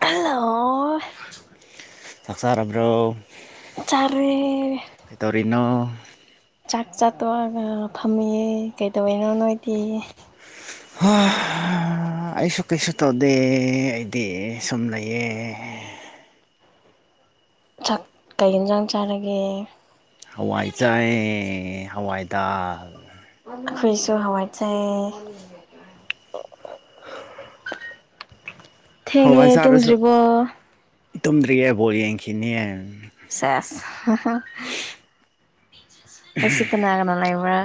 Hello ꯆꯥꯛꯆꯥ ꯔꯕꯔꫭ ꯆꯥꯔꯦ ꯀꯗꯧꯔꯤꯅꯣ ꯆꯥꯛ ꯆꯥ ꯇꯣꯛꯑꯒ ꯐꯝꯃꯤꯌꯦ ꯀꯩꯗꯧꯋꯤꯅꯣ ꯅꯣꯏꯗꯤ ꯍꯣꯏ ꯑꯥ ꯑꯩꯁꯨ ꯀꯩꯁꯨ ꯇꯧꯗꯦ ꯑꯩꯗꯤ ꯁꯨꯝ ꯂꯩꯌꯦ ꯆꯥꯥꯛ ꯀꯩ ꯌꯦꯟꯖꯥꯡ ꯆꯥꯔꯒꯦ ꯍꯋꯥꯏꯖꯥꯏꯦ ꯍꯋꯥꯏꯗꯥꯛꯔ ꯑꯩꯈꯣꯏꯁꯨ ꯍꯋꯥꯏꯠꯆꯩ ꯎ [unintelligible] ꯑꯣ [unintelligible] ꯍꯣꯏ ꯑꯩ ꯊꯦꯡꯉꯦ ꯆꯥꯔꯁꯨ ꯇꯨꯝꯗ꯭ꯔꯤꯕꯣ ꯇꯨꯝꯗ꯭ꯔꯤꯌꯦ ꯕꯣꯜ ꯌꯦꯡꯈꯤꯅꯤꯌꯦ ꯁꯦꯁ ꯍꯥ ꯍꯥ ꯉꯁꯤ ꯀꯅꯥ ꯀꯅꯥ ꯂꯩꯕ꯭ꯔ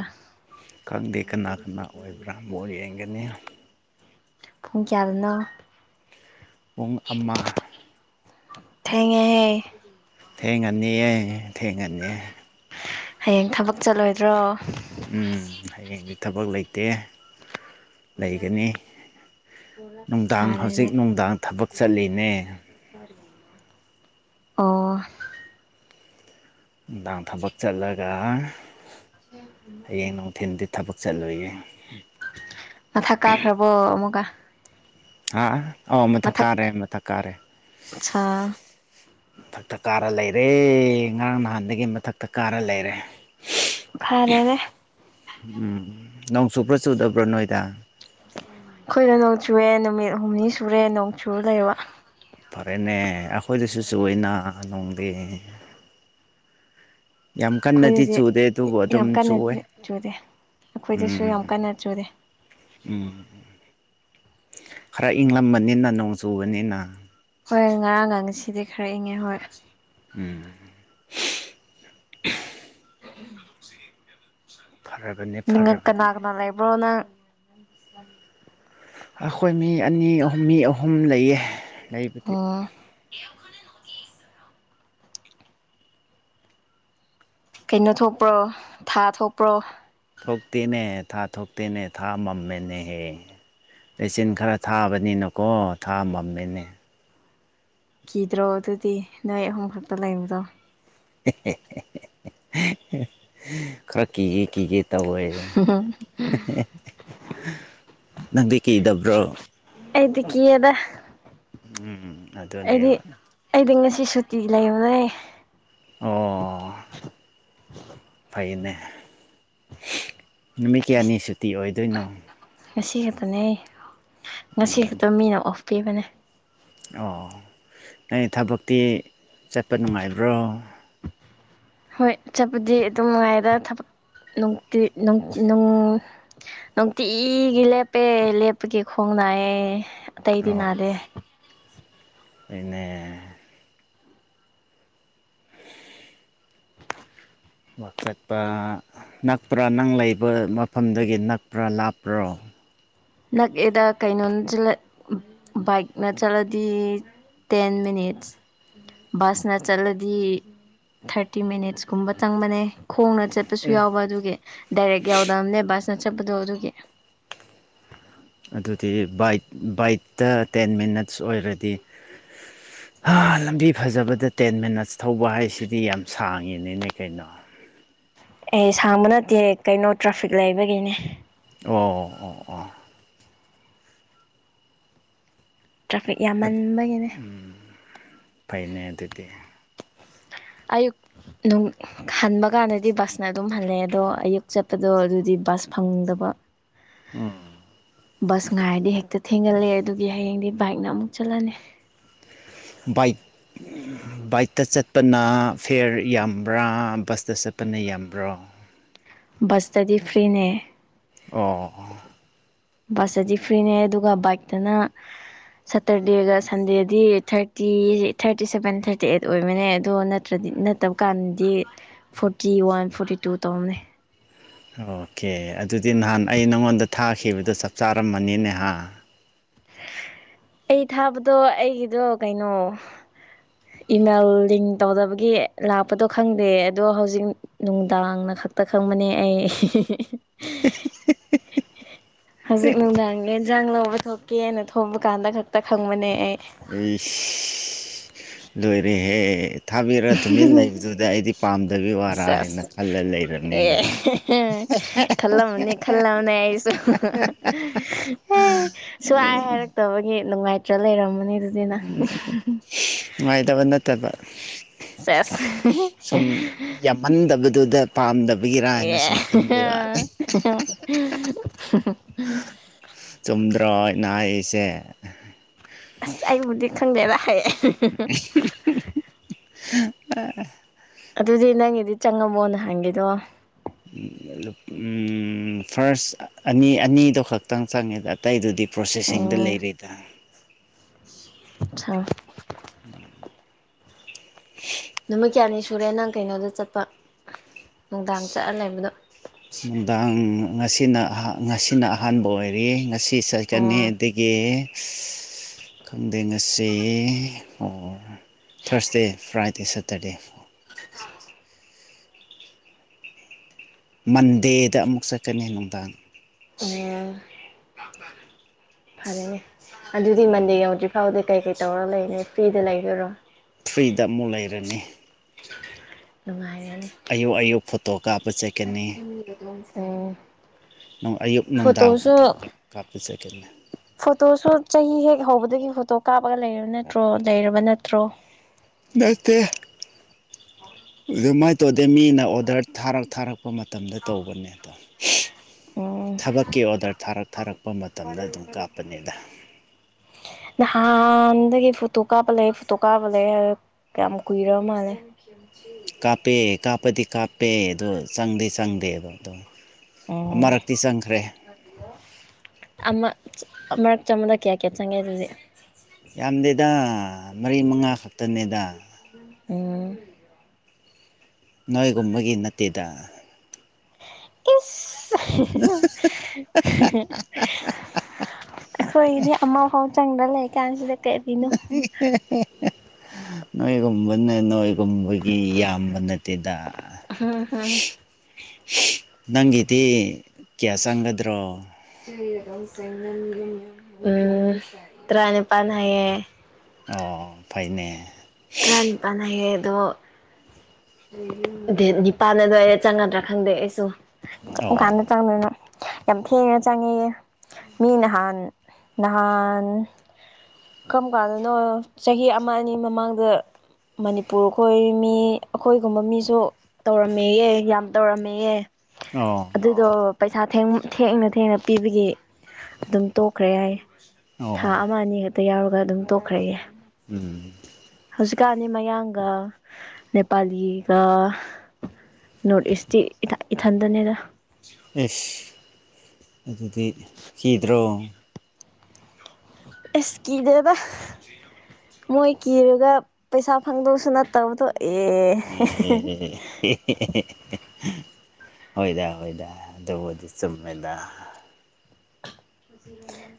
ꯈꯪꯗꯦ ꯀꯅꯥ ꯀꯅꯥ ꯑꯣꯏꯕ꯭ꯔꯥ ꯑꯃꯨꯛ ꯌꯦꯡꯒꯅꯤ ꯄꯨꯡ ꯀꯌꯥꯗꯅ ꯄꯨꯡ ꯑꯃ ꯊꯦꯡꯉꯦꯍ ꯊꯦꯡꯒꯅꯤꯌꯦ ꯊꯦꯡꯒꯅꯤ ꯍꯌꯦꯡ ꯊꯕꯛ ꯆꯠꯂꯣꯏꯗ꯭ꯔꯣ ꯎꯝ ꯍꯌꯦꯡꯗꯤ ꯊꯕꯛ ꯂꯩꯇꯦ ꯂꯩꯒꯅꯤ ꯅꯨꯡꯗꯥꯡ ꯍꯧꯖꯤꯛ ꯐꯔꯦꯅꯦ ꯅꯨꯡꯗꯥꯡ ꯊꯕꯛ ꯆꯠꯂꯤꯅꯦ [unintelligible] ꯑꯣ ꯅꯨꯡꯗꯥꯡ ꯊꯕꯛ ꯆꯠꯂꯒ ꯍꯌꯦꯡ ꯅꯨꯡꯊꯤꯟꯗꯤ ꯊꯕꯛ ꯆꯠꯂꯣꯏꯌꯦ ꯃꯊꯛ ꯀꯥꯈ꯭ꯔꯕꯣ ꯑꯃꯨꯛꯀ ꯍꯥꯥ ꯑꯣ ꯃꯊꯛ ꯃꯊꯥꯛꯀꯥꯔꯦ ꯃꯊꯥꯛꯀꯥꯔꯦ ꯑꯠꯁꯥ ꯃꯊꯛꯇ ꯀꯥꯔ ꯂꯩꯔꯦ ꯉꯔꯥꯡ ꯅꯍꯥꯟꯗꯒꯤ ꯃꯊꯛꯇ ꯀꯥꯔ ꯂꯩꯔꯦ ꯐꯔꯦꯅꯦ ꯎꯝ ꯅꯣꯡ ꯆꯨꯞꯄ꯭ꯔꯥ ꯆꯨꯗꯕ꯭ꯔꯣ ꯅꯣꯏꯗ ꯑꯩꯈꯣꯏꯅ ꯅꯣꯡ ꯆꯨꯨꯔꯦ ꯅꯨꯃꯤꯠ ꯍꯨꯝꯅꯤ ꯁꯨꯔꯦ ꯅꯣꯡꯆꯨꯔ ꯂꯩꯕ ꯐꯔꯦꯅꯦ ꯑꯩꯈꯣꯏꯗꯁꯨ ꯆꯨꯏꯅꯥ ꯅꯨꯡꯗꯤ ꯌꯥꯝ ꯀꯟꯅꯗꯤ ꯑꯩꯈꯣꯏꯗꯗꯤ ꯆꯨꯗꯦ ꯑꯗꯨꯕꯨ ꯑꯗꯨꯝ ꯌꯥꯝ ꯆꯨꯋꯦ ꯀꯟꯅꯗꯤ ꯆꯨꯗꯦ ꯑꯩꯈꯣꯏꯗꯁꯨ ꯎꯝ ꯌꯥꯝ ꯀꯟꯅ ꯆꯨꯗꯦ ꯎꯝ ꯈꯔ ꯏꯪꯂꯝ ꯃꯥꯅꯤꯅ ꯅꯣꯡ ꯆꯨꯕꯅꯤꯅ ꯍꯣꯏ ꯉꯔꯥꯡ ꯉꯥꯡꯁꯤꯗꯤ ꯈꯔ ꯏꯪꯉꯦ ꯍꯣꯏ ꯎꯝ ꯐꯔꯕꯅꯦ ꯅꯉꯥꯛ ꯀꯅꯥ ꯐꯔꯕꯅꯦ ꯀꯅꯥ ꯂꯩꯕ꯭ꯔꯣ ꯅꯪ [unintelligible] ꯑꯩꯈꯣꯏ ꯃꯤ ꯑꯅꯤ ꯑꯍꯨꯝ ꯃꯤ ꯑꯍꯨꯝ ꯂꯩꯌꯦ ꯂꯩ ꯑꯣ ꯀꯩꯅꯣ ꯊꯣꯛꯄ꯭ꯔꯣ ꯊꯥ ꯊꯣꯛꯄ꯭ꯔꯣ ꯊꯣꯛꯇꯦꯅꯦ ꯊꯥ ꯊꯣꯛꯇꯦꯅꯦ ꯊꯥ ꯃꯥꯝꯃꯦꯅꯦ ꯍꯦ ꯂꯩꯆꯤꯟ ꯈꯔ ꯊꯥꯕꯅꯤꯅꯀꯣ ꯊꯥ ꯃꯝꯃꯤꯅꯦ ꯀꯤꯗ꯭ꯔꯣ ꯑꯗꯨꯗꯤ ꯅꯣꯏ ꯑꯍꯨꯝ ꯈꯛꯇ ꯂꯩꯕꯗꯣ ꯈꯔ ꯀꯤꯒꯦ ꯀꯤꯒꯦ ꯇꯧꯋꯦ ꯅꯪꯗꯤ ꯀꯤꯗꯥꯕ꯭ꯔꯣ ꯑꯩꯗꯤ ꯀꯩꯑꯦꯗ ꯎꯝ ꯑꯗꯨꯅꯦꯕ ꯑꯩꯗꯤ ꯉꯁꯤ ꯁꯨꯇꯤ ꯂꯩꯕꯅꯦ ꯑꯣ ꯐꯩꯅꯦ ꯅꯨꯃꯤꯠ ꯀꯌꯥꯅꯤ ꯁꯨꯇꯤ ꯑꯣꯏꯗꯣꯏꯅꯣ ꯉꯁꯤ ꯈꯛꯇꯅꯦ ꯑꯩ ꯉꯁꯤ ꯈꯛꯇ ꯃꯤꯅ ꯑꯣꯐ ꯄꯤꯕꯅꯦ ꯑꯣ ꯅꯣꯏ ꯊꯕꯛꯇꯤ ꯆꯠꯄ ꯅꯨꯡꯉꯥꯏꯕ꯭ꯔꯣ ꯍꯣꯏ ꯆꯠꯄꯗꯤ ꯑꯗꯨꯝ ꯅꯨꯡꯉꯥꯏꯗ ꯊꯕꯛꯅꯨꯡꯇꯤ ꯅꯨꯡꯇꯤꯒꯤ ꯂꯦꯞꯄꯦ ꯂꯦꯞꯄꯒꯤ ꯈꯣꯡ ꯅꯥꯏꯌꯦꯦ ꯑꯇꯩꯗꯤ ꯅꯥꯗꯦ ꯑꯗꯨꯅꯦ ꯋꯥꯛ ꯆꯠꯄ ꯅꯛꯄ꯭ꯔꯥ ꯅꯪ ꯂꯩꯕ ꯃꯐꯝꯗꯒꯤ ꯅꯛꯄ꯭ꯔꯥ ꯂꯥꯞꯄ꯭ꯔꯣ ꯅꯛꯑꯦꯗ ꯀꯩꯅꯣ ꯕꯥꯏꯛꯅ ꯆꯠꯂꯗꯤ ꯇꯦꯟ ꯃꯤꯅꯤꯠꯁ ꯕꯁꯅ ꯆꯠꯂꯗꯤ ꯊꯥꯔꯇꯤ ꯃꯤꯅꯤꯠꯁꯀꯨꯝꯕ ꯆꯪꯕꯅꯦ ꯈꯣꯡꯅ ꯆꯠꯄꯁꯨ ꯑꯦ ꯌꯥꯎꯕ ꯑꯗꯨꯒꯤ ꯗꯥꯏꯔꯦꯛ ꯌꯥꯎꯗꯝꯕꯅꯦ ꯕꯁꯅ ꯆꯠꯄꯗꯣ ꯑꯗꯨꯒꯤ ꯑꯗꯨꯗꯤ ꯕꯥꯏꯛ ꯕꯥꯏꯛꯇ ꯇꯦꯟ ꯃꯤꯅꯠꯁ ꯑꯣꯏꯔꯗꯤ ꯂꯝꯕꯤ ꯐꯖꯕꯗ ꯇꯦꯟ ꯃꯤꯅꯠꯁ ꯊꯧꯕ ꯍꯥꯏꯁꯤꯗꯤ ꯌꯥꯝ ꯁꯥꯡꯉꯤꯅꯤꯅꯦ ꯀꯩꯅꯣ ꯑꯦ ꯁꯥꯡꯕ ꯅꯠꯇꯦ ꯀꯩꯅꯣ ꯇ꯭ꯔꯥꯐꯤꯛ ꯂꯩꯕꯒꯤꯅꯦ ꯑꯣ ꯑꯣ ꯑꯣ ꯑꯣ ꯇ꯭ꯔꯥꯐꯤꯛ ꯑ ꯌꯥꯝꯃꯟꯕꯒꯤꯅꯦ ꯎꯝ ꯐꯥꯏꯅꯦ ꯑꯗꯨꯗꯤ ꯑꯌꯨꯛ ꯅꯅꯨꯡ ꯍꯟꯕ ꯀꯥꯟꯗꯗꯤ ꯕꯁꯅ ꯑꯗꯨꯝ ꯍꯜꯂꯛꯑꯦ ꯑꯗꯣ ꯑꯌꯨꯛ ꯆꯠꯄꯗꯣ ꯑꯗꯨꯗꯤ ꯕꯁ ꯐꯪꯗꯕ ꯑ ꯕꯁ ꯉꯥꯏꯔꯗꯤ ꯍꯦꯛꯇ ꯊꯦꯡꯒꯜꯂꯦ ꯑꯗꯨꯒꯤ ꯍꯌꯦꯡꯗꯤ ꯕꯥꯏꯛꯅ ꯑꯃꯨꯛ ꯆꯠꯂꯜꯂ ꯏꯛ ꯕꯥꯏꯛꯇ ꯆꯠꯄꯅ ꯐꯤꯔ ꯌꯥꯝꯕ꯭ꯔꯥ ꯕꯁꯇ ꯆꯠꯄꯅ ꯌꯥꯝꯕ꯭ꯔꯣ ꯁꯇꯗꯤ ꯐ꯭ꯔꯤꯅꯦ ꯑꯣ ꯕꯁꯇꯗꯤ ꯐ꯭ꯔꯤꯅꯦ ꯑꯗꯨꯒ ꯕꯥꯏꯛꯇꯅ ꯁꯇꯔꯗꯦꯒ ꯁꯟꯗꯦꯗꯤ thirty thirty seven thirty eight ꯑꯣꯏꯕꯅꯦ ꯑꯗꯣ ꯅꯠꯇ꯭ꯔꯗꯤ ꯐꯠꯇꯕ ꯀꯥꯟꯗꯤ ꯐꯣꯔꯇꯤ ꯋꯥꯟ ꯐꯣꯔꯇꯤ ꯇꯨ ꯇꯧꯔꯝꯃꯦ ꯑꯣꯀꯦ ꯑꯗꯨꯗꯤ ꯅꯍꯥꯟ ꯑꯩ ꯅꯪꯉꯣꯟꯗ ꯊꯥꯈꯤꯕꯗꯣ ꯆꯞ ꯆꯥꯔꯝꯃꯅꯤꯅꯦꯍ ꯑꯩ ꯊꯥꯕꯗꯣ ꯑꯩꯒꯤꯗꯣ ꯀꯩꯅꯣ ꯏꯃꯦꯜ ꯂꯤꯡ ꯇꯧꯗꯕꯒꯤ ꯂꯥꯛꯄꯗꯣ ꯈꯪꯗꯦ ꯑꯗꯣ ꯍꯧꯖꯤꯛ ꯅꯨꯡꯗꯥꯡꯅ ꯈꯛꯇ ꯈꯪꯕꯅꯦ ꯑꯩ ꯍꯧꯖꯤꯛ ꯅꯨꯡꯗꯥꯡꯒꯤ ꯑꯦꯟꯁꯥꯡ ꯂꯧꯕ ꯊꯣꯛꯄ ꯀꯦꯅ ꯊꯣꯡꯕ ꯀꯥꯟꯗ ꯈꯛꯇ ꯈꯪꯕꯅꯦ ꯑꯩ ꯑꯩ ꯂꯣꯏꯔꯦꯍꯦ ꯊꯥꯕꯤꯔ ꯊꯨꯝꯃꯤꯟ ꯂꯩꯕꯗꯨꯗ ꯑꯩꯗꯤ ꯄꯥꯝꯗꯕꯤ ꯋꯥꯔꯥ ꯍꯥꯏꯅ ꯁꯦꯁ ꯈꯜꯂ ꯂꯩꯔꯕꯅꯤꯅꯦ ꯊꯜꯂ ꯑꯃꯅꯤꯅꯤ ꯈꯜꯂꯅ ꯍꯥꯏꯁꯨ ꯑꯦ ꯁ꯭ꯋꯥ ꯍꯥꯏꯔꯛꯇꯕꯒꯤ ꯅꯨꯡꯉꯥꯏꯇ꯭ꯔ ꯂꯩꯔꯝꯃꯅꯤ ꯑꯗꯨꯗꯤ ꯅꯪ ꯎꯝ ꯅꯨꯡꯉꯥꯏꯇꯕ ꯅꯠꯇꯕ ꯆꯦꯁ ꯃꯟꯗꯕꯗꯨꯗ ꯄꯥꯝꯗꯕꯒꯤꯔꯥ ꯍꯥꯏꯅ ꯁꯨꯝ ꯈꯟꯕ ꯋꯥꯅꯤꯦ ꯆꯨꯝꯗ꯭ꯔꯅ ꯑꯩꯁꯦ ꯑꯁ ꯑꯩꯕꯨꯗꯤ ꯈꯪꯗꯦꯔꯈꯩ ꯑ ꯑꯗꯨꯗꯤ ꯅꯪꯒꯤꯗꯤ ꯆꯪꯉꯃꯣꯅ ꯍꯪꯒꯦꯗꯣ ꯐꯥꯔꯁ ꯑꯅꯤ ꯑꯅꯤꯗꯣ ꯈꯛꯇꯪ ꯆꯪꯉꯦꯗ ꯑꯇꯩꯗꯨꯗꯤ ꯄ꯭ꯔꯣꯁꯦꯁꯤꯡꯗ ꯂꯩꯔꯤꯦꯗ ꯊꯪ ꯎꯝ ꯅꯨꯃꯤꯠ ꯀꯌꯥꯅꯤ ꯁꯨꯔꯦ ꯅꯪ ꯀꯩꯅꯣꯗ ꯆꯠꯄ ꯅꯨꯡꯗꯥꯡ ꯆꯠꯂ ꯂꯩꯕꯗꯣ ꯅꯨꯡꯗꯥꯡ ꯉꯁꯤꯅ ꯉꯁꯤꯅ ꯑꯍꯥꯟꯕ ꯑꯣꯏꯔꯤ ꯉꯁꯤ ꯏꯁꯀ ꯑꯣ ꯑꯗꯨꯒꯦ ꯈꯪꯗꯦꯡꯉꯁ ꯑꯣ ꯊꯥꯔꯁꯗꯦ ꯐ꯭ꯔꯥꯏꯗꯦ ꯁꯦꯇꯔꯗꯦ ꯃꯟꯗꯦꯗ ꯑꯃꯨꯛ ꯆꯠꯀꯅꯤ ꯅꯨꯡꯗꯥꯡ ꯎꯝ ꯐꯔꯦꯅꯦ ꯑꯗꯨꯗꯤ ꯃꯟꯗꯦ ꯌꯥꯎꯗ꯭ꯔꯤ ꯐꯥꯎꯗꯦ ꯀꯩ ꯀꯩ ꯇꯧꯔꯒ ꯂꯩꯅꯤ ꯐ꯭ꯔꯤꯗ ꯂꯩꯈꯔꯣ ꯐ꯭ꯔꯤꯗ ꯑꯃꯨꯛ ꯂꯩꯔꯅꯤ ꯅꯨꯡꯉꯥꯏꯒꯅꯤ ꯑꯌꯨꯛ ꯑꯌꯨꯛ ꯐꯣꯇꯣ ꯀꯥꯞꯄ ꯆꯠꯀꯅꯤ ꯁꯦ ꯑꯌꯨꯛ ꯅꯨꯡꯗꯥꯡ ꯄ ꯀꯥꯞꯄꯤ ꯆꯠꯀꯅꯦ ꯐꯣꯇꯣꯁꯨ ꯆꯍꯤ ꯍꯦꯛ ꯍꯧꯕꯗꯒꯤ ꯐꯣꯇꯣ ꯀꯥꯞꯄꯒ ꯂꯩꯔꯕ ꯅꯠꯇ꯭ꯔꯣ ꯂꯩꯔꯕ ꯅꯠꯇ꯭ꯔꯣ ꯅꯠꯇꯦ ꯑꯗꯨꯃꯥꯏꯅ ꯇꯧꯗꯦ ꯃꯤꯅ ꯑꯣꯗꯔ ꯊꯥꯔꯛ ꯊꯥꯔꯛꯄ ꯄ ꯃꯇꯝꯗ ꯇꯧꯕꯅꯦ ꯑꯗꯣ ꯎꯝ ꯊꯕꯛꯀꯤ ꯑꯣꯗꯔ ꯊꯥꯔꯛ ꯊꯥꯔꯛꯄ ꯃꯇꯝꯗ ꯑꯗꯨꯝ ꯀꯥꯞꯄꯅꯤꯗ [inaudible] ꯅꯍꯥꯟꯗꯒꯤ ꯐꯣꯇꯣ ꯀꯥꯞꯄ ꯂꯩ ꯐꯣꯇꯣ ꯀꯥꯞꯄ ꯂꯩ ꯀꯌꯥꯝ ꯀꯨꯏꯔ ꯃꯥꯜꯂꯦ [inaudible] ꯀꯥꯞꯄꯦ ꯀꯥꯞꯄꯗꯤ ꯀꯥꯞꯄꯦ ꯑꯗꯣ ꯆꯪꯗꯦ ꯆꯪꯗꯦ ꯑꯗꯣ ꯑꯗꯣ ꯎꯝ ꯑꯃꯔꯛꯇꯤ ꯆꯪꯈ꯭ꯔꯦ ꯃꯔꯛ ꯆ ꯑꯃꯗ ꯀꯌꯥ ꯀꯌꯥ ꯆꯪꯒꯦ ꯑꯗꯨꯗꯤ ꯌꯥꯝꯗꯦꯗ ꯃꯔꯤ ꯃꯉꯥ ꯈꯛꯇꯅꯦꯗ ꯎꯝ ꯅꯣꯏꯒꯨꯝꯕꯒꯤ ꯅꯠꯇꯦꯗ [unintelligible] ꯑꯩꯈꯣꯏꯗꯤ ꯑꯃꯐꯥꯎ ꯆꯪꯗ꯭ꯔ ꯂꯩ ꯀꯥꯟꯁꯤꯗ ꯀ ꯅꯣꯏꯒꯨꯝꯕꯅ ꯅꯣꯏꯒꯨꯝꯕꯒꯤ ꯏꯕ ꯅꯠꯇꯦ ꯇꯗ ꯅꯪꯒꯤꯗꯤ ꯀꯌꯥ ꯆꯪꯒꯗ꯭ꯔꯣ ꯎꯝ ꯇꯔꯥꯅꯤ ꯄꯥꯟ ꯍꯥꯏꯌꯦ ꯑꯣ ꯐꯥꯏꯅꯦ ꯑꯩ ꯄꯥꯟꯅꯍꯦꯗꯣ ꯑꯗꯨ ꯅꯤꯄꯥꯥꯟꯅꯗ ꯑꯩꯔ ꯆꯪꯒꯗ꯭ꯔꯥ ꯈꯪꯗꯦ ꯑꯩꯁꯨ ꯑꯣ ꯆꯪꯗꯅ ꯌꯥꯝ ꯊꯦꯡꯅ ꯆꯪꯉꯛꯌꯦ ꯃꯤ ꯅꯍꯥꯟ ꯅꯍꯥꯟ ꯀꯔꯝ ꯀꯥꯟꯗꯅꯣ ꯆꯍꯤ ꯑꯃ ꯑꯅꯤ ꯃꯃꯥꯡꯗ ꯑꯗ ꯃꯅꯤꯄꯨꯔ ꯈꯣꯏꯔꯤ ꯃꯤ ꯑꯩꯈꯣꯏꯒꯨꯝꯕ ꯃꯤꯁꯨ ꯇꯧꯔꯝꯃꯦꯑ ꯌꯥꯝ ꯇꯧꯔꯝꯃꯦꯑ ꯑꯣ ꯑꯗꯨꯗꯣ ꯄꯩꯁꯥ ꯊꯦꯡꯅ ꯊꯦꯡꯅ ꯄꯤꯕꯒꯤ ꯑꯗꯨꯝ ꯇꯣꯛꯈ꯭ꯔꯦ ꯍꯥꯏ ꯑꯣ ꯊꯥ ꯑꯃ ꯑꯅꯤ ꯈꯛꯇ ꯌꯥꯎꯔꯒ ꯑꯗꯨꯝ ꯇꯣꯛꯈ꯭ꯔꯒꯦ ꯎꯝ ꯍꯧꯖꯤꯛꯀꯥꯟꯅꯤ ꯃꯌꯥꯡꯒ ꯅꯦꯄꯥꯂꯤꯒ ꯅꯣꯔꯠ ꯏꯁꯇꯤ ꯏ ꯏꯊꯟꯗꯅꯦꯗ ꯑꯦꯁ ꯑꯗꯨꯗꯤ ꯀꯤꯗ꯭ꯔꯣ ꯑꯁ ꯀꯤꯗꯦꯗ ꯃꯣꯏ ꯀꯤꯔꯒ ꯄꯩꯁꯥ ꯐꯪꯗꯧꯁꯨ ꯅꯠꯇꯕꯗꯣ ꯑꯦ ꯑꯦ ꯍꯣꯏꯗ ꯍꯣꯏꯗꯥ ꯑꯗꯨꯕꯨꯗꯤ ꯆꯨꯝꯃꯦꯗ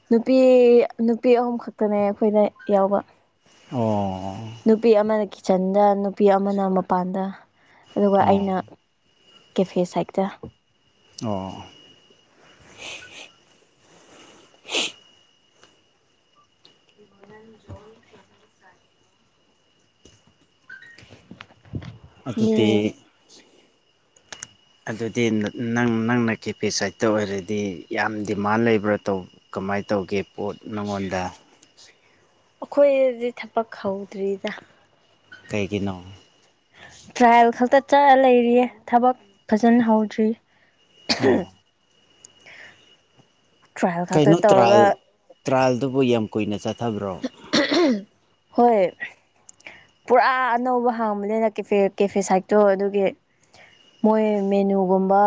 ꯅꯨꯄꯤ ꯅꯨꯄꯤ ꯑꯍꯨꯝ ꯈꯛꯇꯅꯦ ꯑꯩꯈꯣꯏꯅ ꯌꯥꯎꯕ ꯑꯣ ꯅꯨꯄꯤ ꯑꯃꯅ ꯀꯤꯠꯆꯟꯗ ꯅꯨꯄꯤ ꯑꯃꯅ ꯃꯄꯥꯟꯗ ꯑꯗꯨꯒ ꯑꯣ ꯑꯩꯅ ꯀꯦꯐꯦ ꯁꯥꯏꯠꯇ ꯑꯣ [inaudible] ꯃꯤ ꯑꯗꯨꯗꯤ ꯑꯗꯨꯗꯤ ꯅꯪ ꯅꯪꯅ ꯀꯦ ꯄꯦ ꯁꯥꯏꯠꯇ ꯑꯣꯏꯔꯗꯤ ꯌꯥꯝ ꯗꯤꯃꯥꯟ ꯂꯩꯕ꯭ꯔꯥ ꯇꯧꯕ ꯀꯃꯥꯏꯅ ꯇꯧꯒꯦ ꯄꯣꯠ ꯅꯪꯉꯣꯟꯗ ꯑꯩꯈꯣꯏꯗꯤ ꯊꯕꯛ ꯍꯧꯗ꯭ꯔꯤꯗ ꯀꯩꯒꯤꯅꯣ ꯇ꯭ꯔꯥꯏꯌꯦꯜ ꯈꯛꯇ ꯆꯠꯂ ꯂꯩꯔꯤꯌꯦ ꯊꯕꯛ ꯐꯖꯅ ꯍꯧꯗ꯭ꯔꯤ ꯑꯣ ꯇ꯭ꯔꯥꯏꯌꯦꯜ ꯈꯛꯇ ꯀꯩꯅꯣ ꯇꯧꯔꯒ ꯇ꯭ꯔꯥꯌꯦꯜ ꯇ꯭ꯔꯥꯌꯦꯜꯗꯨꯕꯨ ꯌꯥꯝ ꯀꯨꯏꯅ ꯆꯠꯊꯕ꯭ꯔꯣ ꯍꯣꯏ ꯄꯨꯔꯥ ꯑꯅꯧꯕ ꯍꯥꯡꯕꯅꯤꯅ ꯀꯦ ꯀꯦꯐꯦ ꯁꯥꯏꯠꯇꯣ ꯑꯗꯨꯒꯤ ꯃꯣꯏ ꯃꯦꯅꯨꯒꯨꯝꯕ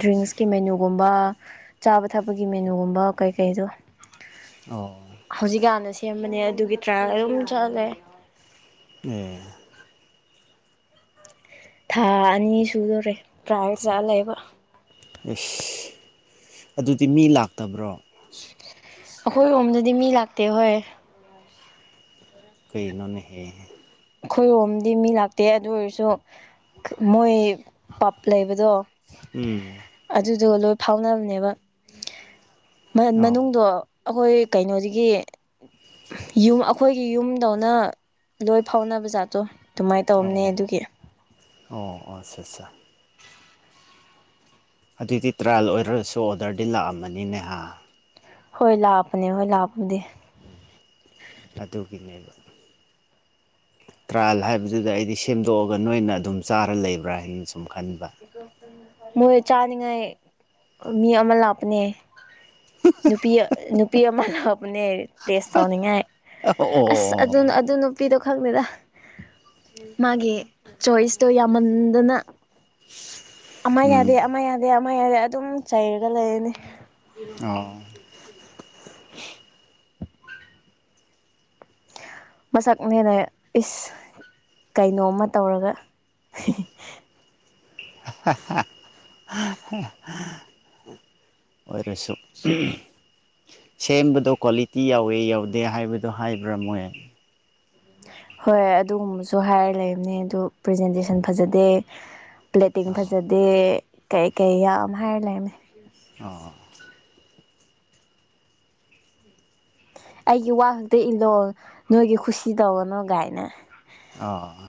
ꯗ꯭ꯔꯤꯡꯁꯀꯤ ꯃꯦꯅꯨꯒꯨꯝꯕ ꯆꯥꯕ ꯊꯛꯄꯒꯤ ꯃꯦꯅꯨꯒꯨꯝꯕ ꯀꯩꯀꯩꯗꯣ ꯑꯣ ꯍꯧꯖꯤꯛꯀꯥꯟꯗ ꯁꯦꯝꯕꯅꯦ ꯑꯗꯨꯒꯤ ꯇ꯭ꯔꯥꯌꯦꯜ ꯑꯗꯨꯝ ꯆꯠꯂꯦ ꯑꯨꯡ ꯊꯥ ꯑꯅꯤ ꯁꯨꯗꯣꯔꯦ ꯇ꯭ꯔꯥꯏ ꯆꯥ ꯂꯩꯕ ꯌꯦꯁ ꯑꯗꯨꯗꯤ ꯃꯤ ꯂꯥꯛꯇꯕ꯭ꯔꯣ ꯑꯩꯈꯣꯏ ꯔꯣꯝꯗꯗꯤ ꯃꯤ ꯂꯥꯛꯇꯦ ꯍꯣꯏ ꯀꯩꯅꯣꯟꯅꯦꯍꯦ ꯑꯩꯈꯣꯏꯔꯣꯝꯗꯤ ꯃꯤ ꯂꯥꯛꯇꯦ ꯑꯗꯨ ꯑꯣꯏꯔꯁꯨ ꯃꯣꯏ ꯄꯞ ꯂꯩꯕꯗꯣ ꯎꯝ ꯑꯗꯨꯗꯣ ꯂꯣꯏ ꯐꯥꯎꯅꯕꯅꯦꯕ ꯑꯣ ꯃꯅꯨꯡꯗꯣ ꯑꯩꯈꯣꯏ ꯀꯩꯅꯣꯁꯤꯗꯒꯤ ꯌꯨꯝ ꯑꯩꯈꯣꯏꯒꯤ ꯌꯨꯝꯗꯧꯅ ꯂꯣꯏ ꯐꯥꯎꯅꯕ ꯖꯥꯠꯇꯣ ꯑꯗꯨꯃꯥꯏꯅ ꯇꯧꯕꯅꯦ ꯑꯣ ꯑꯗꯨꯒꯤ ꯑꯣ ꯑꯆꯥ ꯑꯠꯆꯥ ꯑꯗꯨꯏꯗꯤ ꯇ꯭ꯔꯥꯌꯦꯜ ꯑꯣꯏꯔꯁꯨ ꯑꯣꯔꯗꯔꯗꯤ ꯂꯥꯛꯑꯃꯅꯤꯅꯦꯍ ꯍꯣꯏ ꯂꯥꯄꯅꯦ ꯍꯣꯏ ꯂꯥꯄꯗꯤ ꯎꯝ ꯑꯗꯨꯒꯤꯅꯦꯕ ꯇ꯭ꯔꯥꯏꯌꯦꯜ ꯍꯥꯏꯕꯗꯨꯗ ꯑꯩꯗꯤ ꯁꯦꯝꯗꯣꯛꯑꯒ ꯅꯣꯏꯅ ꯑꯗꯨꯝ ꯆꯥꯔ ꯂꯩꯕ꯭ꯔꯥ ꯍꯥꯏꯅ ꯁꯨꯝ ꯈꯟꯕ ꯃꯣꯏ ꯆꯥꯅꯤꯉꯥꯏ ꯃꯤ ꯑꯃ ꯂꯥꯛꯄꯅꯦ ꯅꯨꯄꯤ ꯅꯨꯄꯤ ꯑꯃ ꯂꯥꯛꯄꯅꯦ ꯇꯦꯁ ꯇꯧꯅꯤꯡꯉꯥꯏ ꯑꯣ ꯑꯁ ꯑꯗꯨꯅ ꯑꯣ ꯑꯗꯨꯅ ꯅꯨꯄꯤꯗꯣ ꯈꯪꯗꯦꯗ ꯃꯥꯒꯤ ꯆꯣꯏꯁꯇꯣ ꯌꯥꯝꯃꯟꯗꯅ ꯑꯃ ꯎꯝ ꯌꯥꯗꯦ ꯑꯃ ꯌꯥꯗꯦ ꯑꯃ ꯌꯥꯗꯦ ꯑꯗꯨꯝ ꯆꯩꯔꯒ ꯂꯩꯔꯅꯤ ꯑꯣ ꯃꯁꯛꯅꯦꯅꯦ ꯏꯁ ꯀꯩꯅꯣꯝꯃ ꯇꯧꯔꯒ ꯍ ꯍ ꯍ ꯑꯣꯏꯔꯁꯨ ꯁꯦꯝꯕꯗꯣ ꯀ꯭ꯋꯥꯂꯤꯇꯤ ꯌꯥꯎꯋꯦ ꯌꯥꯎꯗꯦ ꯍꯥꯏꯕꯗꯣ ꯍꯥꯏꯕ꯭ꯔꯥ ꯃꯣꯏ ꯍꯣꯏ ꯑꯗꯨꯒꯨꯝꯕꯁꯨ ꯍꯥꯏꯔ ꯂꯩꯕꯅꯦ ꯑꯗꯨ ꯄ꯭ꯔꯖꯦꯟꯇꯦꯁꯟ ꯐꯖꯗꯦ ꯄ꯭ꯂꯦꯇꯤꯡ ꯐꯖꯗꯦ ꯀꯩ ꯀꯩ ꯌꯥꯝ ꯍꯥꯏꯔ ꯂꯩꯔꯝꯃꯦ ꯑꯥ ꯑꯩꯒꯤ ꯋꯥ ꯈꯛꯇ ꯏꯜꯂꯛꯑꯣ ꯅꯣꯏꯒꯤ ꯈꯨꯁꯤ ꯇꯧꯒꯅꯨ ꯒꯥꯏꯅ ꯑ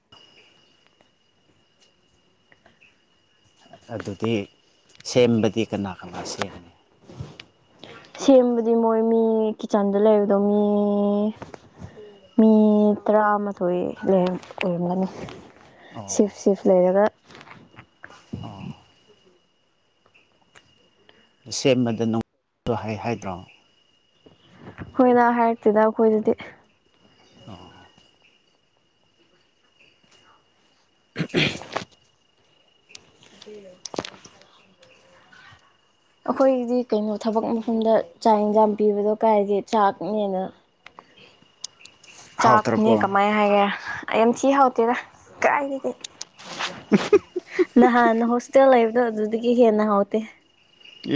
ꯑꯗꯨꯗꯤ ꯁꯦꯝꯕꯗꯤ ꯀꯅꯥ ꯀꯅꯥ ꯁꯦꯝꯃꯤ ꯁꯦꯝꯕꯗꯤ ꯃꯣꯏ ꯃꯤ ꯀꯤꯠꯆꯟꯗ ꯂꯩꯕꯗꯣ ꯃꯤ ꯃꯤ ꯇꯔꯥꯃꯥꯊꯣꯏ ꯂꯩꯔꯝ ꯑꯣꯏꯔꯝꯒꯅꯤ ꯁꯤꯐ ꯁꯤꯐ ꯂꯩꯔꯒ ꯑꯣ ꯁꯦꯝꯕꯗ ꯅꯨꯡ ꯍꯥꯏ ꯍꯥꯏꯗ꯭ꯔꯣ ꯑꯩꯈꯣꯏꯅ ꯍꯥꯏꯔꯛꯇꯦꯗ ꯑꯩꯈꯣꯏꯗꯗꯤ [inaudible] [unintelligible] [inaudible] ꯑꯩꯈꯣꯏꯒꯤꯗꯤ ꯀꯩꯅꯣ ꯊꯕꯛ ꯃꯐꯝꯗ ꯆꯥꯛ ꯌꯦꯟꯁꯥꯡ ꯄꯤꯕꯗꯣ ꯀꯥꯏꯒꯤ ꯆꯥꯛꯅꯦꯅ [inaudible] ꯆꯥꯛꯅꯦ ꯍꯥꯎꯇ꯭ꯔꯕꯣ ꯀꯃꯥꯏꯅ ꯍꯥꯏꯒꯦ ꯑꯩ ꯌꯥꯝ ꯊꯤ ꯍꯥꯎꯇꯦꯔ ꯀꯥꯏ ꯅꯍꯥꯟ ꯍꯣꯁꯇꯦꯜ ꯂꯩꯕꯗꯣ ꯑꯗꯨꯗꯒꯤ ꯍꯦꯟꯅ ꯍꯥꯎꯇꯦ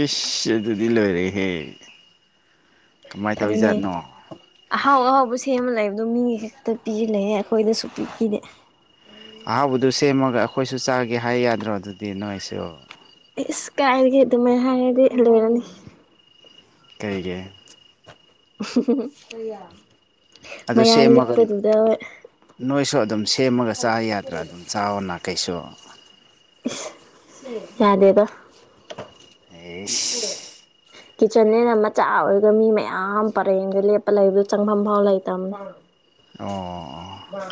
ꯏꯁ ꯑꯗꯨꯗꯤ ꯂꯣꯏꯔꯦꯍꯦ ꯀꯃꯥꯏꯅ ꯑꯗꯨꯅꯦ ꯇꯧꯔꯤꯖꯥꯠꯅꯣ ꯑꯍꯥꯎ ꯑꯍꯥꯎꯕ ꯁꯦꯝꯃ ꯂꯩꯕꯗꯣ ꯃꯤꯒꯤ ꯈꯛꯇ ꯄꯤ ꯂꯩꯌꯦ ꯑꯩꯈꯣꯏꯗ ꯁꯨꯛꯄꯤ ꯄꯤꯗꯦ ꯑꯍꯥꯎꯕꯗꯨ ꯁꯦꯝꯃꯒ ꯑꯩꯈꯣꯏꯁꯨ ꯆꯥꯒꯦ ꯍꯥꯏ ꯌꯥꯗ꯭ꯔꯣ ꯑꯗꯨꯗꯤ ꯅꯣꯏꯁꯨ ꯏꯁꯁ ꯀꯥꯏꯒꯦ ꯑꯗꯨꯃꯥꯏꯅ ꯍꯥꯏꯔꯗꯤ ꯂꯣꯏꯔꯅꯤ ꯀꯩꯒꯤ [unintelligible] ꯑꯗꯨ ꯃꯌꯥꯡ ꯁꯦꯝꯃꯒ ꯂꯤꯛꯄꯗꯨꯗ ꯅꯣꯏꯁꯨ ꯑꯗꯨꯝ ꯁꯦꯝꯃꯒ ꯆꯥ ꯌꯥꯗ꯭ꯔꯥ ꯑꯗꯨꯝ ꯆꯥꯑꯣꯅꯥ ꯀꯩꯁꯨ ꯏꯁ ꯌꯥꯗꯦꯗ ꯑꯩꯁ ꯀꯤꯠꯆꯟꯅꯦꯅ ꯃꯆꯥ ꯑꯣꯏꯔꯒ ꯃꯤ ꯃꯌꯥꯝ ꯄꯔꯦꯡꯗ ꯂꯦꯞꯄ ꯂꯩꯕꯗ ꯆꯪꯐꯝꯐꯥꯎ ꯂꯩꯇꯕꯅꯦ ꯑꯣ ꯑꯣ ꯋꯥ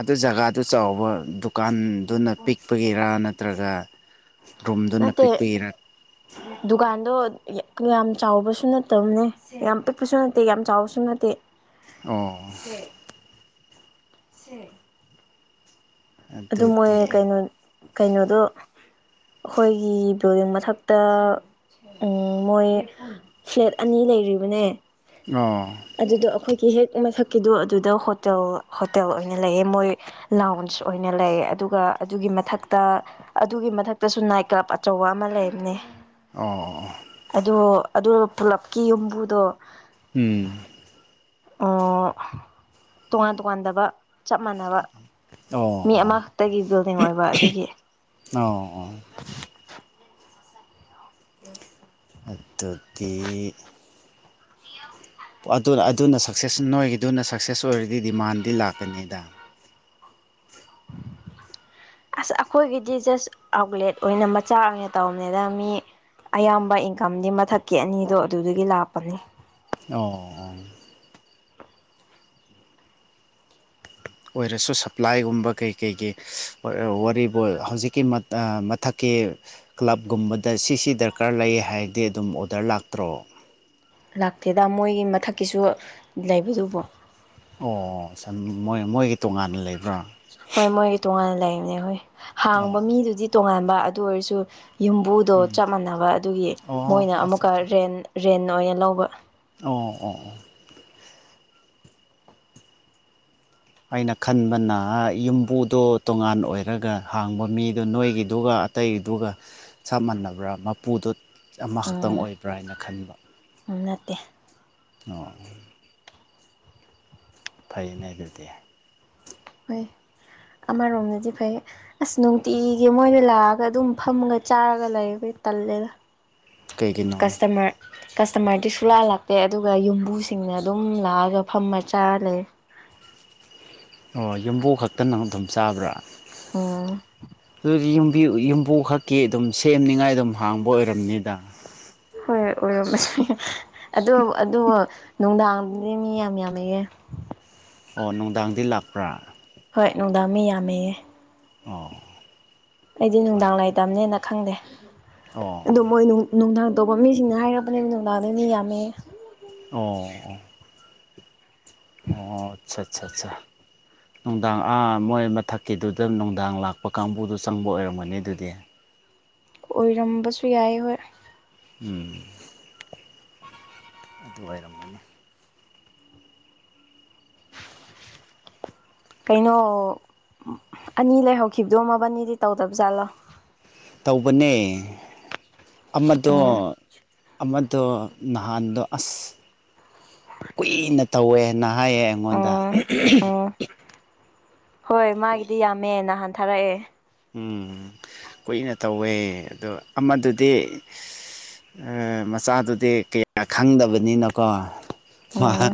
ꯑꯗꯨ ꯖꯒꯥꯗꯨ ꯆꯥꯎꯕ ꯗꯨꯀꯥꯟꯗꯨꯅ ꯄꯤꯛꯄꯒꯤꯔꯥ ꯅꯠꯇ꯭ꯔꯒ ꯔꯨꯝꯗꯨꯅ ꯅꯠꯇꯦ ꯄꯤꯛꯄꯩꯔ ꯗꯨꯀꯥꯟꯗꯣ ꯌꯥꯝ ꯆꯥꯎꯕꯁꯨ ꯅꯠꯇꯕꯅꯦ ꯌꯥꯝ ꯄꯤꯛꯄꯁꯨ ꯅꯠꯇꯦ ꯌꯥꯝ ꯆꯥꯎꯕꯁꯨ ꯅꯠꯇꯦ ꯑꯣ ꯁꯦ ꯁꯦ ꯑꯗꯨ ꯃꯣꯏ ꯑꯗꯨꯗꯤ ꯀꯩꯅꯣ ꯀꯩꯅꯣꯗꯣ ꯑꯩꯈꯣꯏꯒꯤ ꯕꯤꯜꯗꯤꯡ ꯃꯊꯛꯇ ꯎꯝ ꯃꯣꯏ ꯐ꯭ꯂꯦꯠ ꯑꯅꯤ ꯂꯩꯔꯤꯕꯅꯦ ꯑꯥ ꯑꯗꯨꯗꯣ ꯑꯩꯈꯣꯏꯒꯤ ꯍꯦꯛ ꯃꯊꯛꯀꯤꯗꯣ ꯑꯗꯨꯗ ꯍꯣꯇꯦꯜ ꯍꯣꯇꯦꯜ ꯑꯣꯏꯅ ꯂꯩꯌꯦ ꯃꯣꯏ ꯂꯥꯎꯟꯁ ꯑꯣꯏꯅ ꯂꯩ ꯑꯗꯨꯒ ꯑꯗꯨꯒꯤ ꯃꯊꯛꯇ ꯑꯗꯨꯒꯤ ꯃꯊꯛꯇꯁꯨ ꯅꯥꯏꯠ ꯀ꯭ꯂꯕ ꯑꯆꯧꯕ ꯑꯃ ꯂꯩꯕꯅꯦ ꯑꯣ ꯑꯗꯣ ꯑꯗꯨ ꯄꯨꯂꯞꯀꯤ ꯌꯨꯝꯕꯨꯗꯣ ꯎꯝ ꯑꯣ ꯇꯣꯉꯥꯟ ꯇꯣꯉꯥꯟꯗꯕ ꯆꯞ ꯃꯥꯟꯅꯕ ꯑꯣ ꯑꯣ ꯃꯤ ꯑꯃꯈꯛꯇꯒꯤ ꯕꯤꯜꯗꯤꯡ ꯑꯣꯏꯕ ꯑꯗꯨꯒꯤ ꯑꯣ ꯌꯦꯁ ꯑꯗꯨꯗꯤ ꯑꯗꯨꯅ ꯑꯗꯨꯅ ꯁꯛꯁꯦꯁ ꯅꯣꯏꯒꯤꯗꯨꯅ ꯁꯛꯁꯦꯁ ꯑꯣꯏꯔꯗꯤ ꯗꯤꯃꯥꯟꯗꯤ ꯂꯥꯛꯀꯅꯤꯗ ꯑꯁ ꯑꯩꯈꯣꯏꯒꯤꯗꯤ ꯖꯁ ꯑꯥꯎꯠꯂꯦꯠ ꯑꯣꯏꯅ ꯃꯆꯥꯥꯛ ꯑꯣꯏꯅ ꯇꯧꯔꯝꯅꯤꯗ ꯃꯤ ꯑꯌꯥꯝꯕ ꯏꯟꯀꯝꯗꯤ ꯃꯊꯛꯀꯤ ꯑꯅꯤꯗꯣ ꯑꯗꯨꯗꯒꯤ ꯂꯥꯛꯄꯅꯤ ꯑꯣ ꯑꯣ ꯑꯣꯏꯔꯁꯨ ꯁꯄ꯭ꯂꯥꯏꯒꯨꯝꯕ ꯀꯩ ꯀꯩ ꯒꯤ ꯋꯥꯔꯤꯕꯨ ꯍꯧꯖꯤꯛꯀꯤ ꯃ ꯑ ꯃꯊꯛꯀꯤ ꯀ꯭ꯂꯕꯒꯨꯝꯕꯗ ꯁꯤꯁꯤ ꯗꯔꯀꯥꯔ ꯂꯩ ꯍꯥꯏꯔꯗꯤ ꯑꯗꯨꯝ ꯑꯣꯗꯔ ꯂꯥꯛꯇ꯭ꯔꯣ ꯂꯥꯛꯇꯦꯗ ꯃꯣꯏꯒꯤ ꯃꯊꯛꯀꯤꯁꯨ ꯂꯩꯕꯗꯨꯕꯣ ꯑꯣ ꯁꯝ ꯃꯣꯏ ꯃꯣꯏꯒꯤ ꯇꯣꯉꯥꯟꯅ ꯂꯩꯕ꯭ꯔꯥ ꯍꯣꯏ ꯃꯣꯏꯒꯤ ꯇꯣꯉꯥꯟꯅ ꯂꯩꯕꯅꯦ ꯍꯣꯏ ꯍꯥꯡꯕ ꯑꯣ ꯃꯤꯗꯨꯗꯤ ꯇꯣꯉꯥꯟꯕ ꯑꯗꯨ ꯑꯣꯏꯔꯁꯨ ꯌꯨꯝꯕꯨ ꯗꯣ ꯎꯝ ꯆꯞ ꯃꯥꯟꯅꯕ ꯑꯗꯨꯒꯤ ꯑꯣ ꯃꯣꯏꯅ ꯑꯠꯆꯥ ꯑꯃꯨꯛꯀ ꯑꯠꯆꯥ ꯔꯦꯟ ꯔꯦꯟ ꯑꯣꯏꯅ ꯂꯧꯕ ꯑꯣ ꯑꯣ ꯑꯣ ꯑꯩꯅ ꯈꯟꯕꯅ ꯌꯨꯝꯕꯨꯗꯣ ꯇꯣꯉꯥꯟ ꯑꯣꯏꯔꯒ ꯍꯥꯡꯕ ꯃꯤꯗꯣ ꯅꯣꯏꯒꯤꯗꯨꯒ ꯇꯩꯗꯨꯒ ꯆꯞ ꯃꯥꯟꯅꯕ꯭ꯔꯥ ꯃꯄꯨꯗꯣ ꯑꯃꯈꯛꯇꯪ ꯑꯣꯏꯕ꯭ꯔꯥ ꯍꯥꯏꯅ ꯈꯟꯕ ꯎ ꯅꯠꯇꯦ ꯑꯣ ꯐꯩꯅꯦ ꯑꯗꯨꯗꯤ ꯍꯣꯏ ꯑꯃꯔꯣꯝꯗꯗꯤ ꯐꯩ ꯑꯁ ꯅꯨꯡꯇꯤꯒꯤ ꯃꯣꯏꯗ ꯂꯥꯛꯑꯒ ꯑꯗꯨꯝ ꯐꯝꯒ ꯆꯥꯔꯒ ꯂꯩꯕꯩ ꯇꯜꯂꯦꯗ ꯀꯩꯒꯤꯅꯣ ꯀꯁꯇꯃꯔ ꯀꯁꯇꯃꯔꯗꯤ ꯁꯨꯂꯥ ꯂꯥꯛꯇꯦ ꯑꯗꯨꯒ ꯌꯨꯝꯕꯨꯁꯤꯡꯅ ꯑꯗꯨꯝ ꯂꯥꯛꯑꯒ ꯐꯝꯃ ꯆꯥꯔ ꯂꯩ ꯑꯣ ꯌꯨꯝꯕꯨ ꯈꯛꯇꯅꯪ ꯑꯗꯨꯝ ꯆꯥꯕ꯭ꯔꯥ ꯎꯝ ꯑꯗꯨꯗꯤ ꯌꯨꯝꯕꯤ ꯌꯨꯝꯕꯨ ꯈꯛ ꯀꯦ ꯑꯗꯨꯝ ꯁꯦꯝꯅꯤꯉꯥꯏ ꯑꯗꯨꯝ ꯍꯥꯡꯕ ꯑꯣꯏꯔꯝꯅꯤꯗ ꯍꯣꯏ ꯑꯣꯏꯔꯝꯕꯁꯨ ꯌꯥꯏ ꯑꯗꯣ ꯑꯗꯨ ꯅꯨꯡꯗꯥꯡꯗꯤ ꯃꯤ ꯌꯥꯝ ꯌꯥꯝꯃꯦꯑꯦ ꯑꯣ ꯅꯨꯡꯗꯥꯡꯗꯤ ꯂꯥꯛꯄ꯭ꯔꯥ ꯍꯣꯏ ꯅꯨꯡꯗꯥꯡ ꯃꯤ ꯌꯥꯝꯃꯦꯌꯦ ꯑꯣ ꯑꯩꯗꯤ ꯅꯨꯡꯗꯥꯡ ꯍꯣꯏꯅꯦ ꯂꯥꯏ ꯇꯝꯅꯤꯅ ꯈꯪꯗꯦ ꯑꯣ ꯑꯗꯣ ꯃꯣꯏ ꯅꯨꯡꯗꯥꯡ ꯇꯧꯕ ꯃꯤꯁꯤꯡꯅ ꯍꯥꯏꯔꯛꯄꯅꯦ ꯅꯨꯡꯗꯥꯡꯗ ꯃꯤ ꯌꯥꯝꯃꯦ ꯑꯣ ꯑꯣ ꯑꯣ ꯑꯆꯥ ꯑꯆꯥ ꯆꯥ ꯅꯨꯡꯗꯥꯡ ꯑꯥ ꯃꯣꯏ ꯃꯊꯛꯀꯤꯗꯨꯗ ꯅꯨꯡꯗꯥꯡ ꯂꯥꯛꯄ ꯀꯥꯡꯕꯨꯗꯣ ꯆꯪꯕ ꯑꯣꯏꯔꯝꯒꯅꯤ ꯑꯗꯨꯗꯤ ꯑꯣꯏꯔꯝꯕꯁꯨ ꯌꯥꯏ ꯍꯣꯏ ꯎꯝ ꯑꯗꯨ ꯑꯣꯏꯔꯝꯒꯅꯤ ꯀꯩꯅꯣ ꯑꯅꯤ ꯂꯩꯍꯧꯈꯤꯕꯗꯣ ꯃꯕꯥꯅꯤꯗꯤ ꯇꯧꯗꯕꯖꯥꯠꯂꯣ ꯇꯧꯕꯅꯦ ꯑꯃꯗꯣ ꯎꯝ ꯑꯃꯗꯣ ꯅꯍꯥꯟꯗꯣ ꯑꯁ ꯀꯨꯏꯅ ꯇꯧꯋꯦ ꯅ ꯍꯥꯏꯌꯦ ꯑꯩꯉꯣꯟꯗ ꯎꯝ ꯎꯝ ꯍꯣꯏ ꯃꯥꯒꯤꯗꯤ ꯌꯥꯝꯃꯦ ꯅꯍꯥꯟꯊꯥꯔꯛꯑꯦ ꯎꯝ ꯀꯨꯏꯅ ꯇꯧꯋꯦ ꯑꯗꯣ ꯑꯃꯗꯨꯗꯤ ꯑ ꯃꯆꯥꯗꯨꯗꯤ ꯀꯌꯥ ꯈꯪꯗꯕꯅꯤꯅꯀꯣ ꯎꯝ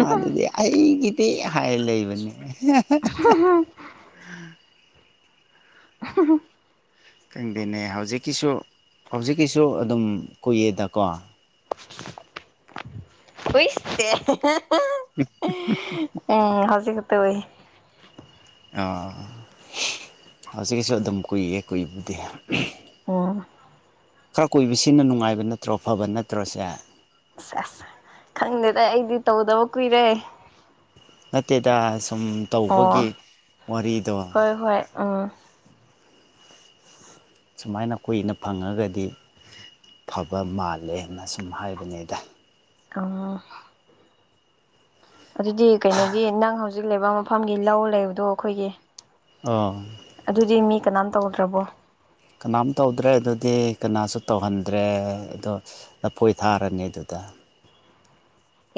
ꯃꯥꯗꯨꯗꯤ ꯑꯩꯒꯤꯗꯤ ꯍꯥꯏ ꯂꯩꯕꯅꯦ ꯈꯪꯗꯦꯅꯦ ꯍꯧꯖꯤꯛꯀꯤꯁꯨ ꯍꯧꯖꯤꯛꯀꯤꯁꯨ ꯑꯗꯨꯝ ꯀꯨꯏꯌꯦꯗꯀꯣ ꯍꯨꯁꯇꯦ ꯍ ꯎꯪ ꯍꯧꯖꯤꯛ ꯈꯛꯇ ꯎꯏ ꯑꯣ ꯍꯧꯖꯤꯛꯀꯤꯁꯨ ꯑꯗꯨꯝ ꯀꯨꯏꯌꯦ ꯀꯨꯏꯕꯨꯗꯤ ꯑꯣ ꯈꯔ ꯀꯣꯏꯕꯁꯤꯅ ꯅꯨꯡꯉꯥꯏꯕ ꯅꯠꯇ꯭ꯔꯣ ꯐꯕ ꯅꯠꯇ꯭ꯔꯣꯁꯦ ꯁꯦꯁ ꯈꯪꯗꯦꯗ ꯑꯩꯗꯤ ꯇꯧꯗꯕ ꯀꯨꯏꯔꯦ ꯅꯠꯇꯦꯗ ꯁꯨꯝ ꯇꯧꯕꯒꯤ ꯑꯣ ꯋꯥꯔꯤꯗꯣ ꯑꯥ ꯁꯨꯃꯥꯏꯅ ꯀꯨꯏꯅ ꯐꯪꯉꯒꯗꯤ ꯐꯕ ꯃꯥꯜꯂꯦꯅ ꯁꯨꯝ ꯍꯥꯏꯕꯅꯦꯗ ꯑ ꯑꯗꯨꯗꯤ ꯀꯩꯅꯣꯒꯤ ꯅꯪ ꯍꯧꯖꯤꯛ ꯂꯩꯕ ꯃꯐꯝꯒꯤ ꯂꯧ ꯂꯩꯕꯗꯣ ꯑꯩꯈꯣꯏꯒꯤ ꯑꯥ ꯑꯗꯨꯗꯤ ꯃꯤ ꯀꯅꯥꯝ ꯇꯧꯗ꯭ꯔꯕꯣ ꯀꯅꯥꯝ ꯇꯧꯗ꯭ꯔꯦ ꯑꯗꯨꯗꯤ ꯀꯅꯥꯁꯨ ꯇꯧꯍꯟꯗ꯭ꯔꯦ ꯑꯗꯣ ꯅꯐꯣꯏ ꯊꯥꯔꯅꯤ ꯑꯗꯨꯗ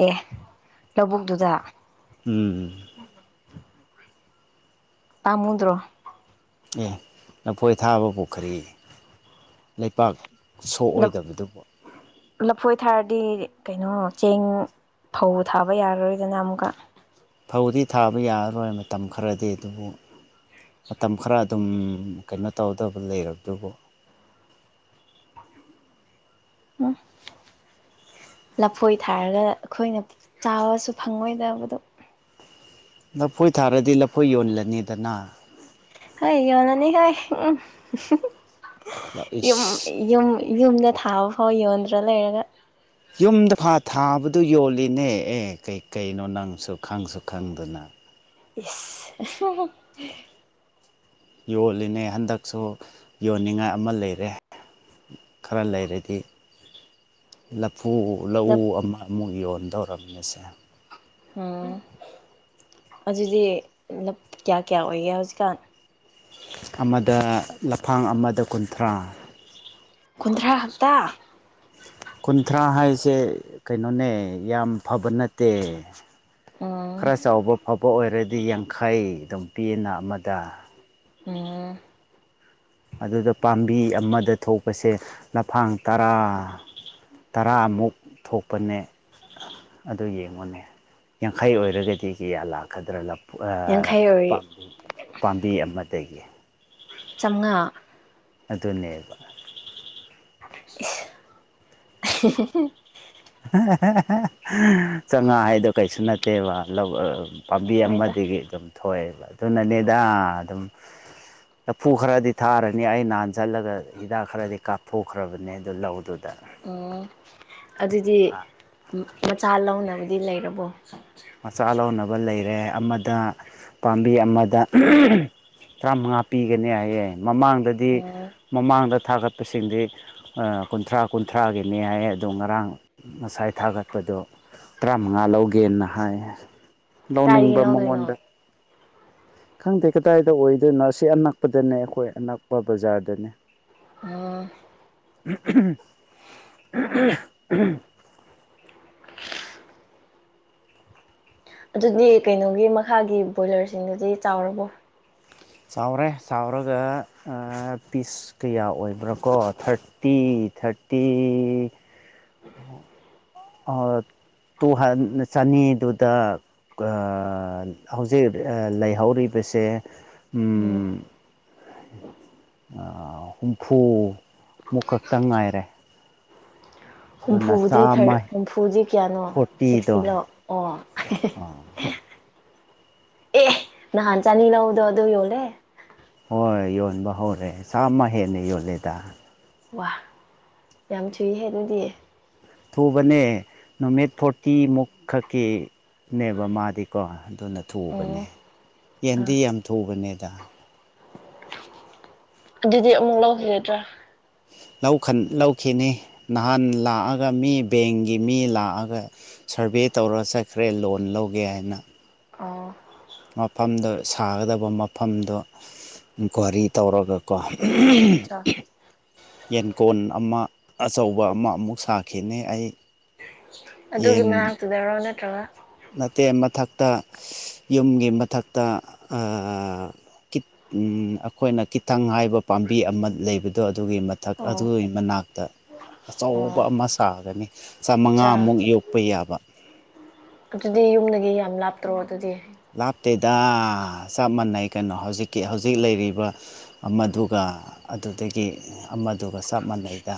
ꯑꯦ ꯂꯧꯕꯨꯛꯇꯨꯗ ꯎꯝ ꯇꯃꯨꯗ꯭ꯔꯣ ꯑꯦ ꯂꯐꯣꯏ ꯊꯥꯕꯕꯨ ꯈꯔꯤ ꯂꯩꯄꯥꯛ ꯁꯣꯛꯑꯣꯏꯗꯕꯗꯨ ꯂꯐꯣꯏ ꯊꯥꯔꯗꯤ ꯀꯩꯅꯣ ꯆꯦꯡ ꯐꯧ ꯊꯥꯕ ꯌꯥꯔꯔꯣꯏꯗꯅ ꯑꯃꯨꯛꯀ ꯐꯧꯗꯤ ꯊꯥꯕ ꯌꯥꯔꯔꯣꯏ ꯃꯇꯝ ꯈꯔꯗꯤ ꯑꯗꯨꯕꯨ ꯃꯇꯝ ꯈꯔ ꯑꯗꯨꯝ ꯀꯩꯅꯣ ꯇꯧꯗꯕ ꯂꯩꯔꯕꯗꯨꯕꯨ ꯎꯝ [inaudible] ꯂꯐꯣꯏ ꯊꯥꯔꯒ ꯑꯩꯈꯣꯏꯅ ꯆꯥꯕꯁꯨ ꯐꯪꯉꯣꯏꯗꯕꯗꯣ ꯂꯐꯣꯏ ꯊꯥꯔꯗꯤ ꯂꯐꯣꯏ ꯌꯣꯜꯂꯅꯤꯗꯅ ꯍꯦ ꯌꯔꯅꯤ ꯍꯥꯏ ꯌꯨꯝ ꯏꯁ ꯌꯨꯝ ꯌꯨꯝꯗ ꯊꯥꯕ ꯐꯥꯎ ꯌꯣꯟꯗ꯭ꯔ ꯂꯩꯔꯒ ꯌꯨꯝꯗ ꯐꯥ ꯊꯥꯕꯗꯨ ꯌꯣꯜꯂꯤꯅꯦ ꯑꯦ ꯀꯩꯀꯩꯅꯣ ꯅꯪꯁꯨ ꯈꯪꯁꯨ ꯈꯪꯗꯅ ꯏꯁ ꯌꯣꯜꯂꯤꯅꯦ ꯍꯟꯗꯛꯁꯨ ꯌꯣꯟꯅꯤꯡꯉꯥꯏ ꯑꯃ ꯂꯩꯔꯦ ꯈꯔ ꯂꯩꯔꯗꯤ ꯂꯐꯨ ꯂꯧꯎ ꯑꯃꯃꯨꯛ ꯌꯣꯟꯗꯧꯔꯝꯃꯤꯁꯦ ꯎ ꯑꯗꯨꯗꯤ ꯀꯌꯥ ꯀꯌꯥ ꯑꯣꯏꯒꯦ ꯍꯧꯖꯤꯛꯀꯥꯟ ꯑꯃꯗ ꯂꯐꯥꯡ ꯑꯃꯗ ꯀꯨꯟꯊ꯭ꯔꯥ ꯀꯨꯟꯊ꯭ꯔꯥ ꯈꯛꯇꯥ ꯀꯨꯟꯊ꯭ꯔꯥ ꯍꯥꯏꯁꯦ ꯀꯩꯅꯣꯅꯦ ꯌꯥꯝ ꯐꯕ ꯅꯠꯇꯦ ꯑꯣ ꯈꯔ ꯆꯥꯎꯕ ꯐꯕ ꯑꯣꯏꯔꯗꯤ ꯌꯥꯡꯈꯩ ꯑꯗꯨꯝ ꯄꯤꯑꯅ ꯑꯃꯗ ꯎꯝ ꯑꯗꯨꯗ ꯄꯥꯝꯕꯤ ꯑꯃꯗ ꯊꯣꯛꯄꯁꯦ ꯂꯐꯥꯡ ꯇꯔꯥ ꯇꯔꯥꯃꯨꯛ ꯊꯣꯛꯄꯅꯦ ꯑꯗꯨ ꯌꯦꯡꯉꯨꯅꯦ ꯌꯥꯡꯈꯩ ꯑꯣꯏꯔꯒꯗꯤ ꯀꯤꯌꯥ ꯂꯥꯛꯀꯗ꯭ꯔꯥ ꯂ ꯌꯥꯡꯈꯩ ꯑꯣꯏ ꯄꯥꯝꯕꯤ ꯄꯥꯝꯕꯤ ꯑꯃꯗꯒꯤ ꯆꯥꯝꯉꯥ ꯑꯗꯨꯅꯦꯕ [unintelligible] ꯆꯥꯝꯉꯥ ꯍꯥꯏꯗꯣ ꯀꯩꯁꯨ ꯅꯠꯇꯦꯕ ꯄꯥꯝꯕꯤ ꯍꯥꯏꯗ ꯑꯃꯗꯒꯤ ꯑꯗꯨꯝ ꯊꯣꯛꯑꯦꯕ ꯑꯗꯨꯅꯅꯦꯗ ꯑꯗꯨꯝ ꯂꯐꯨ ꯈꯔꯗꯤ ꯊꯥꯔꯦ ꯑꯩ ꯅꯍꯥꯟ ꯆꯠꯂꯒ ꯍꯤꯗꯥꯛ ꯈꯔꯗꯤ ꯀꯥꯞꯊꯣꯛꯈ꯭ꯔꯕꯅꯦ ꯑꯗꯨ ꯂꯧꯗꯨꯗ ꯎꯝ ꯑꯗꯨꯗꯤ ꯃꯆꯥ ꯂꯧꯅꯕꯗꯤ ꯂꯩꯔꯕꯣ ꯃꯆꯥ ꯂꯧꯅꯕ ꯂꯩꯔꯦ ꯑꯃꯗ ꯄꯥꯝꯕꯤ ꯑꯃꯗ ꯇꯔꯥꯃꯉꯥ ꯄꯤꯒꯅꯤ ꯍꯥꯏꯌꯦ ꯃꯃꯥꯡꯗꯗꯤ ꯑꯣ ꯃꯃꯥꯡꯗ ꯊꯥꯒꯠꯄꯁꯤꯡꯗꯤ ꯀꯨꯟꯊ꯭ꯔꯥ ꯀꯨꯟꯊ꯭ꯔꯥꯒꯤꯅꯤ ꯍꯥꯏ ꯑꯗꯨ ꯉꯔꯥꯡ ꯉꯁꯥꯏ ꯊꯥꯒꯠꯄꯗꯣ ꯇꯔꯥꯃꯉꯥ ꯂꯧꯒꯦꯅ ꯍꯥꯏ ꯀꯥꯏꯗꯒꯤ ꯂꯧꯅꯤꯡꯕ ꯂꯧꯗꯣꯏꯅꯣ ꯃꯉꯣꯟꯗ ꯈꯪꯗꯦ ꯀꯗꯥꯏꯗ ꯑꯣꯏꯗꯣꯏꯅꯣ ꯑꯁꯤ ꯑꯅꯛꯄꯗꯅꯦ ꯑꯩꯈꯣꯏ ꯑꯅꯛꯄ ꯕꯖꯥꯔꯗꯅꯦ ꯎꯝ [inaudible] ꯑꯗꯨꯗꯤ ꯀꯩꯅꯣꯒꯤ ꯃꯈꯥꯒꯤ ꯕꯣꯏꯂꯔꯁꯤꯡꯗꯨꯗꯤ ꯆꯥꯎꯔꯕꯣ ꯆꯥꯎꯔꯦ ꯆꯥꯎꯔꯒ ꯄꯤꯁ ꯀꯌꯥ ꯑꯣꯏꯕ꯭ꯔꯥꯀꯣ ꯊꯥꯔꯠ ꯐꯤꯐꯇꯤ ꯊꯥꯔꯇꯤ ꯑ ꯇꯨ ꯆꯅꯤꯗꯨꯗ ꯍꯧꯖꯤꯛ ꯂꯩꯍꯧꯔꯤꯕꯁꯦ ꯎꯝ ꯍꯨꯝꯐꯨꯃꯨꯛ ꯈꯛꯇꯪ ꯉꯥꯏꯔꯦ ꯑꯗꯨꯅ ꯍꯨꯝꯐꯨꯕꯨꯗꯤ ꯆꯥꯝꯃ ꯊꯔꯦ ꯐꯨꯖꯤ ꯀꯌꯥꯅꯣ ꯐꯣꯔꯇꯤꯗꯣ ꯁꯤꯛꯁꯇꯤ ꯂꯥꯛꯑꯣ ꯑꯣ ꯑꯦ ꯅꯍꯥꯟ ꯆꯥꯅꯤ ꯂꯧꯗꯣ ꯑꯗꯨ ꯌꯣꯜꯂꯦ ꯍꯣꯏ ꯌꯣꯟꯕ ꯍꯧꯔꯦ ꯆꯥꯝꯃ ꯍꯦꯟꯅ ꯌꯣꯜꯂꯦꯗ ꯋꯥ ꯌꯥꯝ ꯊꯨꯏꯍꯦ ꯑꯗꯨꯗꯤ ꯊꯨꯕꯅꯦ ꯅꯨꯃꯤꯠ ꯐꯣꯔꯇꯤꯃꯨꯛ ꯈꯛꯀꯤꯅꯦꯕ ꯃꯥꯗꯤꯀꯣ ꯑꯗꯨꯅ ꯊꯨꯕꯅꯦ ꯑꯣ ꯑꯆꯥ ꯌꯦꯟꯗꯤ ꯌꯥꯝ ꯊꯨꯕꯅꯦꯗ ꯑꯗꯨꯗꯤ ꯑꯃꯨꯛ ꯂꯧꯒꯗ꯭ꯔꯥ ꯂꯧ ꯂꯧꯈꯤꯅꯤ ꯅꯍꯥꯟ ꯂꯥꯛꯑꯒ ꯃꯤ ꯕꯦꯡꯒꯤ ꯃꯤ ꯂꯥꯛꯑꯒ ꯁꯔꯚꯦ ꯇꯧꯔ ꯆꯠꯈ꯭ꯔꯦ ꯂꯣꯟ ꯂꯧꯒꯦ ꯍꯥꯏꯅ ꯑ ꯃꯐꯝꯗ ꯁꯥꯒꯗꯕ ꯃꯐꯝꯗꯣ ꯏꯟꯀ꯭ꯋꯥꯔꯤ ꯇꯧꯔꯒ ꯀꯣ ꯑꯆꯥ ꯌꯦꯟꯀꯣꯟ ꯑꯃ ꯑꯆꯧꯕ ꯑꯃ ꯑꯃꯨꯛ ꯁꯥꯈꯤꯅꯤ ꯑꯩ ꯑꯗꯨꯒꯤ ꯌꯦꯟ ꯃꯅꯥꯛꯇꯨꯗꯔꯣ ꯅꯠꯇ꯭ꯔꯒ ꯅꯠꯇꯦ ꯃꯊꯛꯇ ꯌꯨꯝꯒꯤ ꯃꯊꯛꯇ ꯑꯩꯈꯣꯏꯅ ꯤꯊꯪ ꯍꯥꯏꯕ ꯄꯥꯝꯕꯤ ꯑꯃ ꯂꯩꯕꯗꯣ ꯑꯗꯨꯒꯤ ꯃꯊꯛ ꯑꯣ ꯑꯗꯨꯒꯤ ꯃꯅꯥꯛꯇ ꯑꯆꯧꯕ ꯑꯣ ꯑꯃ ꯁꯥꯒꯅꯤ ꯑꯠꯆꯥ ꯆꯥꯝꯃꯉꯥꯃꯨꯛ ꯌꯣꯛꯄ ꯌꯥꯕ ꯑꯗꯨꯗꯤ ꯌꯨꯝꯗꯒꯤ ꯌꯥꯝ ꯂꯥꯞꯇ꯭ꯔꯣ ꯑꯗꯨꯗꯤ ꯂꯥꯞꯇꯦꯗ ꯆꯞ ꯃꯥꯟꯅꯩ ꯀꯩꯅꯣ ꯍꯧꯖꯤꯛꯀꯤ ꯍꯧꯖꯤꯛ ꯂꯩꯔꯤꯕ ꯑꯃꯗꯨꯒ ꯑꯗꯨꯗꯒꯤ ꯑꯃꯗꯨꯒ ꯆꯞ ꯃꯥꯟꯅꯩꯗ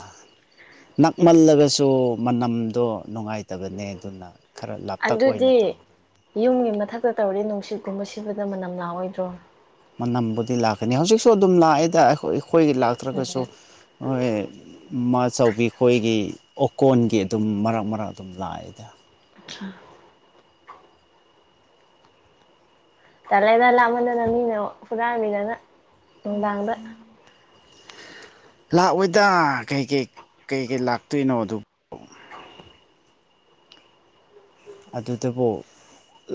ꯅꯛꯃꯜꯂꯒꯁꯨ ꯃꯅꯝꯗꯣ ꯅꯨꯡꯉꯥꯏꯇꯕꯅꯦ ꯑꯗꯨꯅ ꯈꯔ ꯂꯥꯞꯇꯛ ꯑꯣꯏꯅ ꯑꯗꯨꯗꯤ ꯇꯧꯕꯗꯣ ꯌꯨꯝꯒꯤ ꯃꯊꯛꯇ ꯇꯧꯔꯤ ꯅꯨꯡꯁꯤꯠꯀꯨꯝꯕ ꯁꯤꯕꯗ ꯃꯅꯝ ꯂꯥꯛꯑꯣꯏꯗ꯭ꯔꯣ ꯃꯅꯝꯕꯨꯗꯤ ꯂꯥꯛꯀꯅꯤ ꯍꯧꯖꯤꯛꯁꯨ ꯑꯗꯨꯝ ꯂꯥꯛꯑꯦꯗ ꯑꯩꯈꯣꯏ ꯂꯥꯛꯇ꯭ꯔꯒꯁꯨ ꯎꯝ ꯍꯣꯏ ꯃꯥꯆꯧꯕꯤ ꯑꯩꯈꯣꯏꯒꯤ ꯑꯣꯀꯣꯟꯒꯤ ꯑꯗꯨꯝ ꯃꯔꯛ ꯃꯔꯛ ꯑꯗꯨꯝ ꯂꯥꯛꯑꯦꯗ ꯇꯂꯗ ꯂꯥꯛꯞꯃꯟꯗꯅ ꯃꯤꯅ ꯍꯨꯔꯥꯃꯤꯗꯅ ꯅꯨꯡꯗꯥꯡꯗ ꯂꯥꯛꯑꯣꯏꯗ ꯀꯩꯀꯩ ꯀꯩꯀꯩ ꯂꯥꯛꯇꯣꯏꯅꯣ ꯑꯗꯨ ꯑꯗꯨꯗꯨꯕꯨ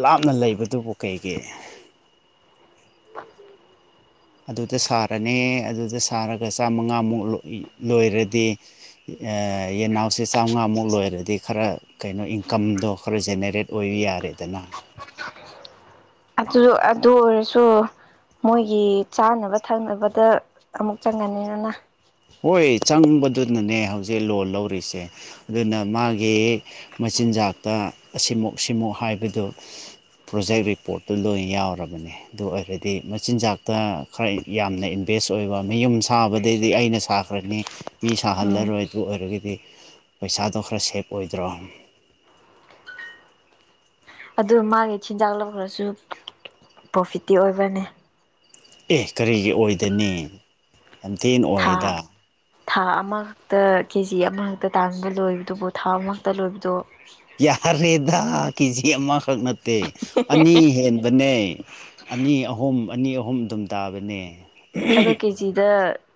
ꯂꯥꯞꯅ ꯂꯩꯕꯗꯨꯕꯨ ꯀꯩꯒꯤ ꯑꯗꯨꯗ ꯁꯥꯔꯅꯦ ꯑꯗꯨꯗ ꯁꯥꯔꯒ ꯆꯥꯝꯃꯉꯥꯃꯨꯛ ꯂꯣꯏꯔꯗꯤ ꯌꯦꯟꯅꯥꯎꯁꯦ ꯆꯥꯝꯃꯉꯥꯃꯨꯛ ꯂꯣꯏꯔꯗꯤ ꯈꯔ ꯀꯩꯅꯣ ꯏꯟꯀꯝꯗꯣ ꯈꯔ ꯖꯦꯅꯦꯔꯦꯠ ꯑꯣꯏꯕ ꯌꯥꯔꯦꯗꯅ ꯑꯗꯨ ꯑꯗꯨ ꯑꯣꯏꯔꯁꯨ ꯃꯣꯏꯒꯤ ꯆꯥꯅꯕ ꯊꯛꯅꯕꯗ ꯑꯃꯨꯛ ꯆꯪꯒꯅꯤꯅ ꯍꯣꯏ ꯆꯪꯕꯗꯨꯅꯅꯦ ꯍꯧꯖꯤꯛ ꯂꯣꯟ ꯂꯧꯔꯤꯁꯦ ꯑꯗꯨꯅ ꯃꯥꯒꯤ ꯃꯆꯤꯟꯖꯥꯛꯇ ꯑꯁꯤꯃꯨ ꯁꯤꯃꯨ ꯍꯥꯏꯕꯗꯨ ꯄ꯭ꯔꯣꯖꯦꯛ ꯔꯤꯄꯣꯔꯠꯇꯨ ꯂꯣꯏꯅ ꯌꯥꯎꯔꯕꯅꯦ ꯑꯗꯨ ꯑꯣꯏꯔꯗꯤ ꯃꯆꯤꯟꯖꯥꯛꯇ ꯈꯔ ꯌꯥꯝꯅ ꯏꯟꯚꯦꯁ ꯑꯣꯏꯕ ꯃꯌꯨꯝ ꯁꯥꯕꯗꯩꯗꯤ ꯑꯩꯅ ꯁꯥꯈ꯭ꯔꯅꯤ ꯃꯤ ꯎꯝ ꯁꯥꯍꯜꯂꯔꯣꯏ ꯑꯗꯨ ꯑꯣꯏꯔꯒꯗꯤ ꯄꯩꯁꯥꯗꯣ ꯈꯔ ꯁꯦꯞ ꯑꯣꯏꯗ꯭ꯔꯣ ꯑꯗꯨ ꯃꯥꯒꯤ ꯆꯤꯟꯖꯥꯛ ꯂꯧꯈ꯭ꯔꯁꯨ ꯄ꯭ꯔꯣꯐꯤꯠꯇꯤ ꯑꯣꯏꯕꯅꯤ ꯑꯦ ꯀꯔꯤꯒꯤ ꯑꯣꯏꯗꯅꯤ ꯌꯥꯝ ꯊꯤꯅ ꯊꯥ ꯑꯣꯏꯌ‌ꯦꯗ ꯊꯥ ꯑꯃꯈꯛꯇ ꯀꯦ ꯖꯤ ꯑꯃꯈꯛꯇ ꯇꯥꯟꯕ ꯂꯣꯏꯕꯗꯨꯕꯨ ꯊꯥ ꯑꯃꯈꯛꯇ ꯂꯣꯏꯕꯗꯨꯕꯨ ꯌꯥꯔꯦꯗ ꯀꯦ ꯖꯤ ꯑꯃꯈꯛ ꯅꯠꯇꯦ ꯑꯅꯤ ꯍꯦꯟꯕꯅꯦ ꯑꯅꯤ ꯑꯍꯨꯝ ꯑꯅꯤ ꯑꯍꯨꯝ ꯗꯨꯝ ꯇꯥꯕꯅꯦ ꯑꯗꯣ ꯀꯦꯖꯤꯗ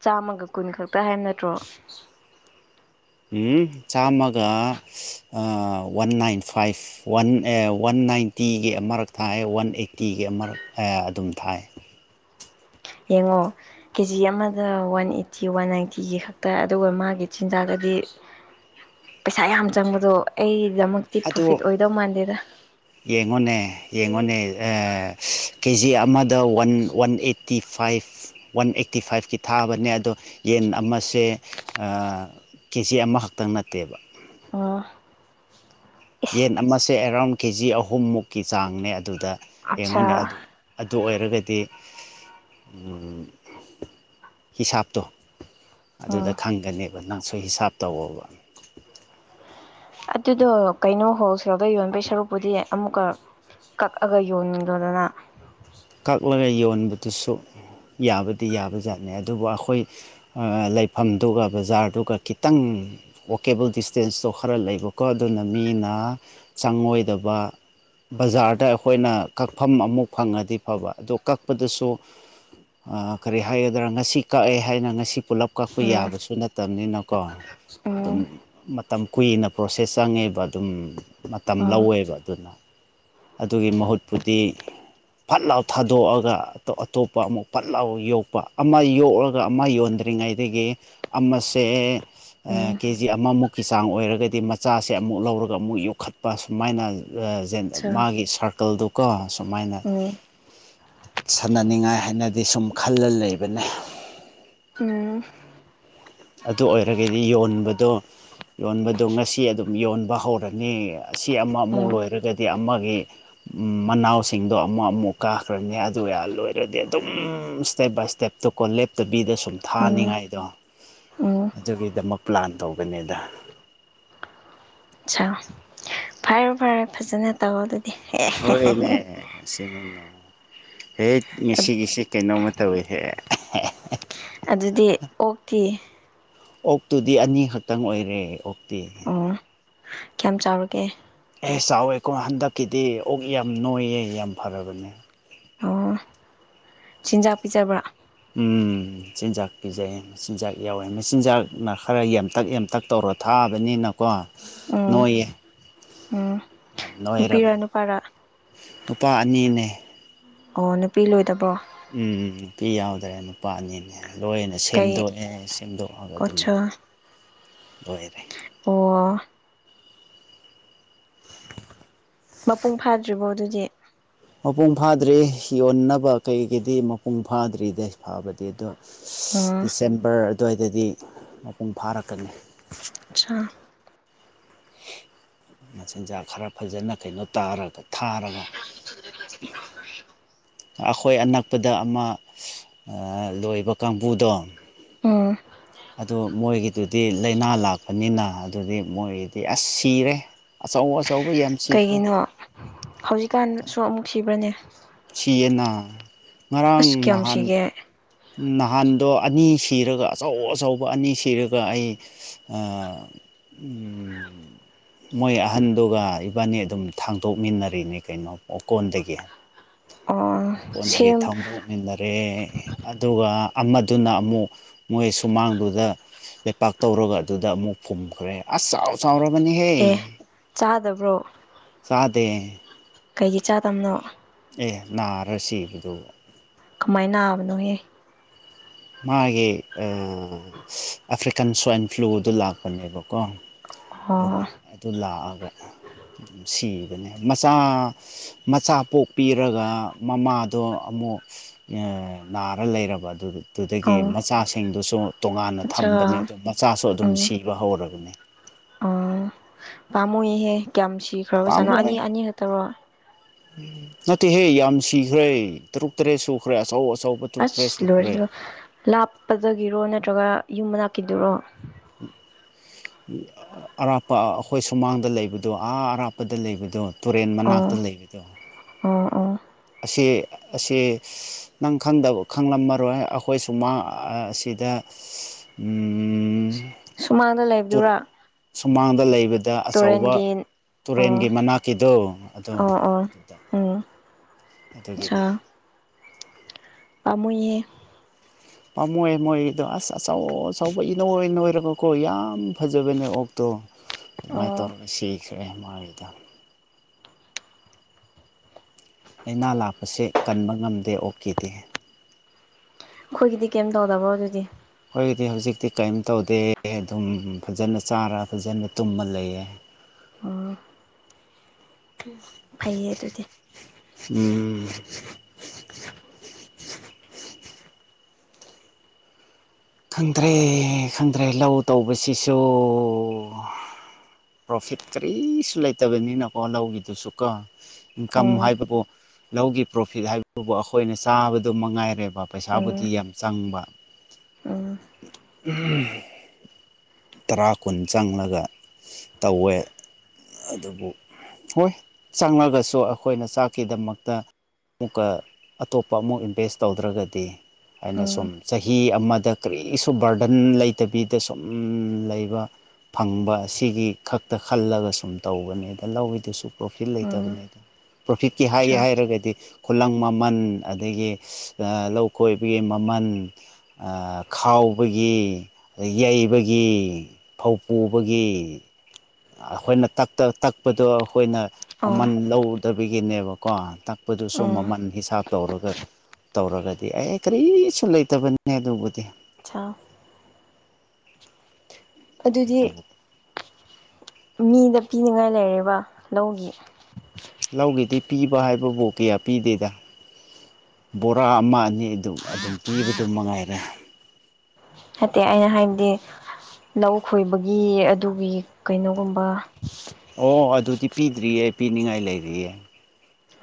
ꯆꯥꯝꯃꯒ ꯀꯨꯟ ꯈꯛꯇ ꯍꯥꯏꯕ ꯅꯠꯇ꯭ꯔꯣ ꯎꯝ ꯆꯥꯝꯃꯒ ꯑꯥ ꯋꯥꯟ ꯅꯥꯏꯟ ꯐꯥꯏꯚ ꯋꯥꯟ ꯑꯦ ꯋꯥꯟ ꯅꯥꯏꯟꯇꯤꯒꯤ ꯑꯃꯔꯛ ꯊꯥꯏꯌ‌ꯦ ꯋꯥꯟ ꯑꯩꯠꯇꯤꯒꯤ ꯑꯃꯔꯛ ꯊꯥꯏꯌ‌ꯦ ꯑꯗꯨꯝ ꯊꯥꯏꯌ‌ꯦ ꯌꯦꯡꯉꯣ ꯀꯦꯖꯤ ꯑꯃꯗ ꯋꯥꯟ ꯑꯩꯠꯇꯤ ꯋꯥꯟ ꯅꯥꯏꯟꯇꯤꯒꯤ ꯈꯛꯇ ꯑꯗꯨꯒ ꯃꯥꯒꯤ ꯆꯤꯟꯖꯥꯛꯇꯗꯤ ꯄꯩꯁꯥ ꯌꯥꯝ ꯆꯪꯕꯗꯣ ꯑꯩꯒꯤꯗꯃꯛ ꯑꯗꯨ ꯌꯦꯡꯉꯣꯅꯦ ꯌꯦꯡꯉꯣꯅꯦ ꯀꯦ ꯖꯤ ꯑꯃꯗ one one eighty five one eighty ꯐꯥꯏꯚꯀꯤ ꯊꯥꯕꯅꯦ ꯑꯗꯣ ꯌꯦꯟ ꯑꯃꯁꯦ ꯀꯦ ꯖꯤ ꯑꯃꯈꯛꯇꯪ ꯅꯠꯇꯦꯕ ꯑ ꯌꯦꯟ ꯑꯃꯁꯦ ꯑꯦꯔꯥꯎꯟ ꯀꯦꯖꯤ ꯑꯍꯨꯝꯃꯨꯛꯀꯤ ꯆꯥꯡꯅꯦ ꯑꯗꯨꯗ ꯑꯠꯁꯥ ꯌꯦꯡꯉꯨꯅꯦ ꯑꯗꯨ ꯑꯣꯏꯔꯒꯗꯤ ꯍꯤꯁꯥꯞ ꯇ ꯑꯗꯨꯗ ꯎꯝ ꯈꯪꯒꯅꯦꯕ ꯅꯪꯁꯨꯣꯏ ꯍꯤꯁꯥꯞ ꯇꯧꯋꯕ ꯑꯗꯨꯗꯣ ꯀꯩꯅꯣ ꯍꯣꯜꯁꯦꯜꯗ ꯌꯣꯟꯕꯩ ꯁꯔꯨꯛꯄꯨꯗꯤ ꯑꯃꯨꯛꯀ ꯀꯛꯑꯒ ꯌꯣꯟꯂ‌ꯣꯗꯅ ꯀꯛꯂꯒ ꯌꯣꯟꯕꯗꯨꯁꯨ ꯌꯥꯕꯗꯤ ꯌꯥꯕꯖꯥꯠꯅ‌ꯦ ꯑꯗꯨꯕꯨ ꯑꯩꯈꯣꯏ ꯑꯥ ꯂꯩꯐꯝꯗꯨꯒ ꯕꯖꯥꯔꯗꯨꯒ ꯈꯤꯇꯪ ꯑꯣꯛꯀꯦꯕꯜ ꯗꯤꯁꯇꯦꯟꯁꯇꯣ ꯈꯔ ꯂꯩꯕꯀꯣ ꯑꯗꯨꯅ ꯃꯤꯅ ꯆꯪꯉꯣꯏꯗꯕ ꯕꯖꯥꯔꯗ ꯑꯩꯈꯣꯏꯅ ꯀꯛꯐꯝ ꯑꯃꯨꯛ ꯐꯪꯉꯗꯤ ꯐꯕ ꯑꯗꯣ ꯀꯛꯄꯗꯨꯁꯨ ꯑꯥ ꯀꯔꯤ ꯍꯥꯏꯒꯗ꯭ꯔꯥ ꯉꯁꯤ ꯀꯛꯑꯦ ꯍꯥꯏꯅ ꯉꯁꯤ ꯄꯨꯂꯞ ꯀꯛꯄ ꯎꯝ ꯌꯥꯕꯁꯨ ꯅꯠꯇꯕꯅꯤꯅꯀꯣ ꯑꯗꯨꯝ ꯎꯝ ꯃꯇꯝ ꯀꯨꯏꯅ ꯄ꯭ꯔꯣꯁꯦꯁ ꯆꯪꯉꯦꯕ ꯑꯗꯨꯝ ꯃꯇꯝ ꯎꯝ ꯂꯧꯋꯦꯕ ꯑꯗꯨꯅ ꯑꯗꯨꯒꯤ ꯃꯍꯨꯠꯄꯨꯗꯤ ꯐꯠ ꯂꯥꯎ ꯊꯥꯗꯣꯛꯑꯒ ꯑꯇꯣꯞꯄ ꯑꯃꯨꯛ ꯐꯠ ꯂꯥꯎ ꯌꯣꯛꯄ ꯑꯃ ꯌꯣꯛꯑꯒ ꯑꯃ ꯌꯣꯟꯗ꯭ꯔꯤꯉꯩ ꯉꯩꯒꯤ ꯑꯃꯁꯦ ꯑꯥ ꯎꯝ ꯀꯦ ꯖꯤ ꯑꯃꯃꯨꯛꯀꯤ ꯆꯥꯡ ꯑꯣꯏꯔꯒꯗꯤ ꯃꯆꯥꯁꯦ ꯑꯃꯨꯛ ꯂꯧꯔꯒ ꯑꯃꯨꯛ ꯌꯣꯛꯈꯠꯄ ꯁꯨꯃꯥꯏꯅ ꯁꯥ ꯃꯥꯒꯤ ꯁꯥꯔꯀꯜꯗꯨꯀꯣ ꯁꯨꯃꯥꯏꯅ ꯎꯝ ꯁꯥꯟꯅꯅꯤꯡꯉꯥꯏ ꯍꯥꯏꯅꯗꯤ ꯁꯨꯝ ꯈꯜꯂ ꯂꯩꯕꯅ‌ꯦ ꯎꯝ ꯑꯗꯨ ꯑꯣꯏꯔꯒꯗꯤ ꯌꯣꯟꯕꯗꯣ ꯌꯣꯟꯕꯗꯣ ꯉꯁꯤ ꯑꯗꯨꯝ ꯌꯣꯟꯕ ꯍꯧꯔꯅꯤ ꯑꯁꯤ ꯑꯃ ꯑꯃꯨꯛ ꯎꯝ ꯂꯣꯏꯔꯒꯗꯤ ꯑꯃꯒꯤ ꯃꯅꯥꯎꯁꯤꯡꯗꯣ ꯑꯃ ꯑꯃꯨꯛ ꯀꯥꯈ꯭ꯔꯅꯤ ꯑꯗꯨ ꯂꯣꯏꯔꯗꯤ ꯑꯗꯨꯝ ꯏꯁꯇꯦꯞ ꯕꯥꯏ ꯏꯁꯇꯦꯞ ꯇꯀꯣ ꯂꯦꯞꯇꯕꯤꯗ ꯁꯨꯝ ꯎꯝ ꯊꯥꯅꯤꯡꯉꯥꯏꯗꯣ ꯎꯝ ꯑꯗꯨꯒꯤꯗꯃꯛ ꯄ꯭ꯂꯥꯟ ꯇꯧꯕꯅꯤꯗ ꯑ ꯐꯔꯦ ꯐꯔꯦ ꯐꯖꯅ ꯇꯧ ꯑꯗꯨꯗꯤ ꯑꯦ ꯍꯣꯏꯅꯦ ꯁꯤꯅꯤꯅꯦ ꯍꯦꯛ ꯑꯗꯨ ꯉꯁꯤꯒꯤꯁ‌ꯦ ꯀꯩꯅꯣꯝꯃ ꯇꯧꯋꯦꯍꯦ ꯑꯗꯨꯗꯤ ꯑꯣꯛꯇꯤ ꯑꯣꯛꯇꯨꯗꯤ ꯑꯅꯤꯈꯛꯇꯪ ꯑꯣꯏꯔꯦ ꯑꯣꯛꯇꯤ ꯑꯣ ꯀꯌꯥꯝ ꯆꯥꯎꯔꯒꯦ ꯑꯦ ꯆꯥꯎꯋꯦꯀꯣ ꯍꯟꯗꯛꯀꯤꯗꯤ ꯑꯣꯛ ꯌꯥꯝ ꯅꯣꯏꯌꯦ ꯌꯥꯝ ꯐꯔꯕꯅꯦ ꯑꯣ ꯆꯤꯟꯖꯥꯛ ꯄꯤꯖꯕ꯭ꯔꯥ ꯎꯝ ꯃꯆꯤꯟꯖꯥꯛ ꯄꯤꯖꯩꯌꯦ ꯃꯆꯤꯟꯖꯥꯛ ꯌꯥꯎꯋꯦ ꯃꯆꯤꯟꯖꯥꯛꯅ ꯈꯔ ꯌꯥꯝꯇꯛ ꯌꯥꯝꯇꯛ ꯇꯧꯔ ꯊꯥꯕꯅꯤꯅ ꯀꯣ ꯎꯝ ꯅꯣꯏꯌꯦ ꯎꯝ ꯌꯥꯝ ꯅꯨꯄꯤꯔ ꯅꯣꯏꯔꯕꯅꯤ ꯅꯨꯄꯥꯔ ꯅꯨꯄꯥ ꯑꯅꯤꯅꯦ ꯑꯣ ꯅꯨꯄꯤ ꯂꯣꯏꯗꯕ꯭ꯔꯣ ꯎꯝ ꯅꯨꯄꯤ ꯌꯥꯎꯗ꯭ꯔꯦ ꯅꯨꯄꯥ ꯑꯅꯤꯅꯦ ꯂꯣꯏꯅ ꯀꯩ ꯁꯦꯝꯗꯣꯛꯑꯦ ꯁꯦꯝꯗꯣꯛꯑꯒ ꯑꯗꯨꯝ ꯑꯣꯠꯁꯥ ꯂꯣꯏꯔꯦ ꯑꯣ ꯃꯄꯨꯡ ꯐꯥꯗ꯭ꯔꯤꯕꯣ ꯑꯗꯨꯗꯤ ꯃꯄꯨꯡ ꯐꯥꯗ꯭ꯔꯤ ꯌꯣꯟꯅꯕ ꯀꯩꯒꯤꯗꯤ ꯃꯄꯨꯡ ꯐꯥꯗ꯭ꯔꯤꯗ ꯐꯥꯕꯗꯤ ꯑꯗꯣ ꯎꯝ ꯗꯤꯁꯦꯝꯕꯔ ꯑꯗꯨꯋꯥꯏꯗꯗꯤ ꯃꯄꯨꯡ ꯐꯥꯔꯛꯀꯅꯤ ꯑꯆꯥ ꯃꯆꯤꯟꯖꯥꯛ ꯈꯔ ꯐꯖꯅ ꯀꯩꯅꯣ ꯇꯥꯔꯒꯗꯤ ꯊꯥꯔꯒ ꯑꯩꯈꯣꯏ ꯑꯅꯛꯄꯗ ꯑꯃ ꯑꯥ ꯂꯣꯏꯕ ꯀꯥꯡꯕꯨꯗꯣ ꯑ ꯑꯗ‌ꯣ ꯃꯣꯏꯒꯤꯗꯨꯗꯤ ꯂꯥꯏꯅꯥ ꯂꯥꯛꯄꯅꯤꯅ ꯑꯗꯨꯗꯤ ꯃꯣꯏꯒꯤꯗꯤ ꯑꯁ ꯁꯤꯔꯦ ꯑꯆꯧ ꯑꯆꯧꯕ ꯌꯥꯝ ꯁꯤꯈ꯭ꯔꯦ ꯀꯩꯒꯤꯅꯣ ꯍꯧꯖꯤꯛꯀꯥꯟꯁꯨ ꯑꯃꯨꯛ ꯁꯤꯕ꯭ꯔꯅꯦ ꯁꯤꯌꯦꯅ ꯉꯔꯥꯡ ꯑꯁ ꯀꯌꯥꯝ ꯅꯍꯥꯟ ꯁꯤꯒꯦ ꯅꯍꯥꯟꯗꯣ ꯑꯅꯤ ꯁꯤꯔꯒ ꯑꯆꯧ ꯑꯆꯧꯕ ꯑꯅꯤ ꯁꯤꯔꯒ ꯑꯩ ꯑꯥ ꯎꯝ ꯃꯣꯏ ꯑꯍꯟꯗꯨꯒ ꯏꯕꯥꯟꯅꯤ ꯑꯗꯨꯝ ꯊꯥꯡꯇꯣꯛꯃꯤꯟꯅꯔꯤꯅꯤ ꯀꯩꯅꯣ ꯑꯣꯀꯣꯟꯗꯒꯤ ꯑꯣ ꯑꯣꯀꯣꯟꯗꯒꯤ ꯁꯦꯝ ꯊꯥꯡꯗꯣꯛꯃꯤꯟꯅꯔꯦ ꯑꯗꯨꯒ ꯑꯃꯗꯨꯅ ꯑꯃꯨꯛ ꯃꯣꯏ ꯁꯨꯃꯥꯡꯗꯨꯗ ꯂꯩꯄꯥꯛ ꯇꯧꯔꯒ ꯑꯗꯨꯗ ꯑꯃꯨꯛ ꯐꯨꯝꯈ꯭ꯔꯦ ꯑꯁ ꯆꯥꯎ ꯆꯥꯎꯔꯕꯅꯤꯍꯦ ꯑꯦ ꯆꯥꯗꯕ꯭ꯔꯣ ꯆꯥꯗꯦ ꯀꯩꯒꯤ ꯆꯥꯗꯕꯅꯣ ꯑꯦ ꯅꯥꯔꯥ ꯁꯤꯕꯗꯨ ꯀꯃꯥꯏ ꯅꯥꯕꯅꯣꯍꯦ ꯃꯥꯒꯤ ꯑ ꯑꯐ꯭ꯔꯤꯀꯥꯟ ꯁ꯭ꯋꯥꯏꯟ ꯐ꯭ꯂꯨꯗꯨ ꯂꯥꯛꯄꯅꯦꯕꯀꯣ ꯑꯣ ꯑꯗꯨꯅ ꯑꯗꯨ ꯂꯥꯛꯑꯒ ꯑꯗꯨꯝ ꯁꯤꯕꯅꯦ ꯃꯆꯥ ꯃꯆꯥ ꯄꯣꯛꯄꯤꯔꯒ ꯃꯃꯥꯗꯣ ꯑꯃꯨꯛ ꯑ ꯅꯥꯔꯥ ꯂꯩꯔꯕ ꯑꯗꯨꯒꯤ ꯑꯗꯨꯗꯒꯤ ꯑꯣ ꯃꯆꯥꯁꯤꯡꯗꯨꯁꯨ ꯇꯣꯉꯥꯟꯅ ꯑꯠꯆꯥ ꯊꯝꯕꯅꯦ ꯑꯗꯣ ꯃꯆꯥꯁꯨ ꯑꯗꯨꯝ ꯎꯝ ꯁꯤꯕ ꯍꯧꯔꯕꯅꯦ ꯑꯣ ꯄꯥꯝꯃꯨꯏꯍꯦ ꯀꯌꯥꯝ ꯁꯤꯈ꯭ꯔꯕ ꯖꯥꯠꯅꯣ ꯑꯅꯤ ꯄꯥꯝꯃꯨꯍꯦ ꯑꯅꯤ ꯈꯛꯇꯔꯣ ꯅꯠꯇꯦꯍꯦ ꯌꯥꯝ ꯁꯤꯈ꯭ꯔꯦ ꯇꯔꯨꯛ ꯇꯔꯦꯠ ꯁꯨꯈ꯭ꯔꯦ ꯑꯆꯧ ꯑꯆꯧꯕ ꯇꯔꯨꯛ ꯇꯔꯦꯠ ꯑꯁ ꯁꯨꯈ꯭ꯔꯦ ꯂꯣꯏꯔꯦꯗꯣ ꯂꯥꯞꯄꯗꯒꯤꯔꯣ ꯅꯠꯇ꯭ꯔꯒ ꯌꯨꯝ ꯃꯅꯥꯛꯀꯤꯗꯨꯔꯣ [unintelligible] ꯑꯔꯥꯞꯄ ꯑꯩꯈꯣꯏ ꯁꯨꯃꯥꯡꯗ ꯂꯩꯕꯗꯣ ꯑꯥ ꯑꯔꯥꯞꯄꯗ ꯂꯩꯕꯗꯣ ꯇꯨꯔꯦꯟ ꯃꯅꯥꯛꯇ ꯂꯩꯕꯗꯣ ꯎꯝ ꯎꯝ ꯑꯁꯤ ꯑꯁꯤ ꯅꯪ ꯈꯪꯗꯕ ꯈꯪꯂꯝꯃꯔꯣꯏ ꯑꯩꯈꯣꯏ ꯁꯨꯃꯥꯡ ꯑ ꯑꯁꯤꯗ ꯎꯝ ꯁꯨꯃꯥꯡꯗ ꯂꯩꯕꯗꯨꯔꯣ ꯁꯨꯃꯥꯡꯗ ꯂꯩꯕꯗ ꯑꯆꯧꯕ ꯑꯣ ꯇꯨꯔꯦꯟꯒꯤ ꯃꯅꯥꯛꯀꯤꯗꯣ ꯑꯗꯣ ꯑꯣ ꯑꯣ ꯑꯗꯨꯗ ꯎꯝ ꯑꯗꯨꯒꯤꯅꯦ ꯄꯥꯃꯨꯏꯌꯦ ꯄꯥꯝꯃꯣꯏ ꯃꯣꯏꯒꯤꯗꯣ ꯑꯁ ꯑꯆꯧ ꯑꯆꯧꯕ ꯏꯅꯣꯏ ꯅꯣꯏꯔꯒꯀꯣ ꯌꯥꯝ ꯐꯖꯕꯅꯦ ꯑꯣꯛ ꯇꯣ ꯑꯗꯨꯃꯥꯏ ꯑꯣ ꯇꯧꯔꯒ ꯁꯤꯈ꯭ꯔꯦ ꯃꯥꯒꯤꯗꯣ ꯂꯩꯅꯥ ꯂꯥꯛꯄꯁꯦ ꯀꯟꯕ ꯉꯝꯗꯦ ꯑꯣꯛꯀꯤꯗꯤ ꯑꯩꯈꯣꯏꯒꯤꯗꯤ ꯀꯩꯝ ꯇꯧꯗꯕ꯭ꯔꯣ ꯑꯗꯨꯗꯤ ꯍꯣꯏꯗꯤ ꯍꯧꯖꯤꯛꯇꯤ ꯀꯔꯤꯝ ꯇꯧꯗꯦ ꯑꯗꯨꯝ ꯐꯖꯅ ꯆꯥꯔ ꯐꯖꯅ ꯇꯨꯝꯃ ꯂꯩꯌꯦ [inaudible] ꯎꯝ ꯐꯩꯌꯦ ꯑꯗꯨꯗꯤ ꯎꯝ ꯈꯪꯗ꯭ꯔꯦ ꯈꯪꯗ꯭ꯔꯦ ꯂꯧ ꯇꯧꯕꯁꯤꯁꯨ ꯄ꯭ꯔꯣꯐꯤꯠ ꯀꯔꯤꯁꯨ ꯂꯩꯇꯕꯅꯤꯅꯀꯣ ꯂꯧꯒꯤꯗꯨꯁꯨ ꯀꯣ ꯑꯣ ꯏꯟꯀꯝ ꯍꯥꯏꯕꯕꯨ ꯂꯧꯒꯤ ꯄ꯭ꯔꯣꯐꯤꯠ ꯍꯥꯏꯕꯗꯨꯕꯨ ꯑꯩꯈꯣꯏꯅ ꯆꯥꯕꯗꯨ ꯃꯉꯥꯏꯔꯦꯕ ꯄꯩꯁꯥꯕꯨꯗꯤ ꯎꯝ ꯌꯥꯝ ꯆꯪꯕ ꯎꯝ ꯇꯔꯥ ꯀꯨꯟ ꯆꯪꯂꯒ ꯇꯧꯋꯦ ꯑꯗꯨꯕꯨ ꯍꯣꯏ ꯆꯪꯉꯒꯁꯨ ꯑꯩꯈꯣꯏꯅ ꯆꯥꯛꯀꯤꯗꯃꯛꯇ ꯑꯃꯨꯛꯀ ꯑꯇꯣꯞꯄ ꯑꯃꯨꯛ ꯏꯟꯚꯦꯁ ꯇꯧꯗ꯭ꯔꯒꯗꯤ ꯍꯥꯏꯅ ꯁꯨꯝ ꯎꯝ ꯆꯍꯤ ꯑꯃꯗ ꯀꯔꯤꯁꯨ ꯕꯔꯗꯟ ꯂꯩꯇꯕꯤꯗ ꯁꯨꯝ ꯂꯩꯕ ꯐꯪꯕ ꯁꯤꯒꯤ ꯈꯛꯇ ꯈꯜꯂꯒ ꯁꯨꯝ ꯇꯧꯕꯅꯦꯗ ꯂꯧꯋꯗꯨꯁꯨ ꯄ꯭ꯔꯣꯐꯤꯠ ꯎꯝ ꯂꯩꯇꯕꯅꯤꯗ ꯄ꯭ꯔꯣꯐꯤꯠꯀꯤ ꯍꯥꯏꯒꯦ ꯑꯆꯥ ꯍꯥꯏꯔꯒꯗꯤ ꯈꯨꯂꯪ ꯃꯃꯟ ꯑꯗꯒꯤ ꯂꯧ ꯈꯣꯏꯕꯒꯤ ꯃꯃꯜ ꯈꯥꯎꯕꯒꯤ ꯌꯩꯕꯒꯤ ꯐꯧ ꯄꯨꯕꯒꯤ ꯑꯩꯈꯣꯏꯅ ꯇꯛꯄꯗꯣ ꯑꯩꯈꯣꯏꯅ ꯑꯣ ꯃꯃꯜ ꯂꯧ ꯇꯕꯤꯒꯤꯅꯦꯕꯀꯣ ꯇꯛꯄꯗꯨꯁꯨ ꯎꯝ ꯃꯃꯜ ꯍꯤꯁꯥꯞ ꯇꯧꯔꯒ ꯇꯧꯔꯒꯗꯤ ꯑꯦ ꯀꯔꯤꯁꯨ ꯂꯩꯇꯕꯅꯤ ꯑꯗꯨꯕꯨꯗꯤ ꯑ [unintelligible] ꯑꯗꯨꯗꯤ ꯑꯗꯨꯕꯨ ꯃꯤꯗ ꯄꯤꯅꯤꯉꯥꯏ ꯂꯩꯔꯦꯕ ꯂꯧꯒꯤ ꯂꯧꯒꯤꯗꯤ ꯄꯤꯕ ꯍꯥꯏꯕꯕꯨ ꯀꯌꯥ ꯄꯤꯗꯦꯗ ꯕꯣꯔꯥ ꯑꯃ ꯑꯅꯤ ꯑꯗꯨ ꯑꯗꯨꯝ ꯄꯤꯕꯗꯨ ꯃꯉꯥꯏꯔꯦ ꯅꯠꯇꯦ ꯑꯩꯅ ꯍꯥꯏꯗꯤ ꯂꯧ ꯈꯣꯏꯕꯒꯤ ꯑꯗꯨꯒꯤ ꯀꯩꯅꯣꯒꯨꯝꯕ ꯑꯣ ꯑꯗꯨꯗꯤ ꯄꯤꯗ꯭ꯔꯤꯌꯦ ꯄꯤꯅꯤꯡꯉꯥꯏ ꯂꯩꯔꯤꯌꯦ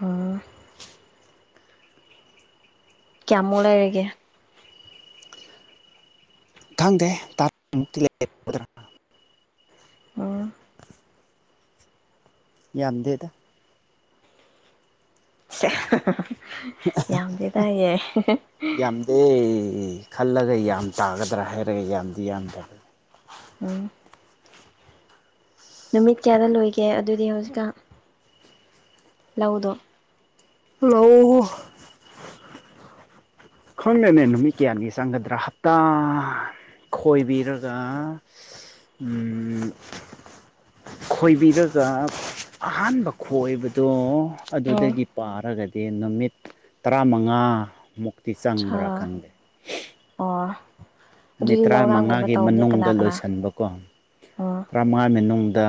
ꯑꯥ ꯀꯌꯥꯃꯨꯛ ꯂꯩꯔꯤꯒꯦ ꯈꯪꯗꯦ ꯇꯥꯃꯨꯛꯇꯤ ꯂꯩꯦ [unintelligible] ꯎꯝ ꯌꯥꯝꯗꯦꯗ ꯌꯥꯝꯗꯤ ꯇꯥꯏꯌꯦ ꯑꯦ ꯈꯜꯂꯒ ꯌꯥꯝ ꯇꯥꯒꯗ꯭ꯔꯥ ꯍꯥꯏꯔꯒꯦ ꯌꯥꯝꯗꯤ ꯌꯥꯝꯗꯕ ꯎꯝ ꯅꯨꯃꯤꯠ ꯀꯌꯥꯗ ꯂꯣꯏꯒꯦ ꯑꯗꯨꯗꯤ ꯍꯧꯖꯤꯛꯀꯥꯟ ꯂꯧꯥꯗꯣ ꯍꯂꯣ [unintelligible] ꯈꯪꯗꯦꯅꯦ ꯅꯨꯃꯤꯠ ꯀꯌꯥꯅꯤ ꯆꯪꯒꯗ꯭ꯔꯥ ꯍꯞꯇꯥ ꯈꯣꯏꯕꯤꯔꯒ ꯎꯝ ꯈꯣꯏꯕꯤꯔꯒ ꯑꯍꯥꯟꯕ ꯈꯣꯏꯕꯗꯣ ꯎꯝ ꯑꯗꯨꯗꯒꯤ ꯄꯥꯔꯒꯗꯤ ꯅꯨꯃꯤꯠ ꯇꯔꯥꯃꯉꯥ ꯃꯨꯛꯇꯤ ꯆꯪꯕ꯭ꯔꯥ ꯁꯥ ꯈꯪꯗꯦ ꯑꯣ ꯅꯨꯃꯤꯠ ꯑꯗꯨꯗꯤ ꯂꯧꯔꯥꯡꯒꯨꯝꯕ ꯇꯔꯥꯃꯉꯥꯒꯤ ꯇꯧꯕꯗꯤ ꯀꯅꯥ ꯃꯅꯨꯡꯗ ꯀꯅꯥ ꯂꯣꯏꯁꯤꯟꯕ ꯀꯣ ꯎꯝ ꯃꯥꯏ ꯃꯅꯨꯡꯗ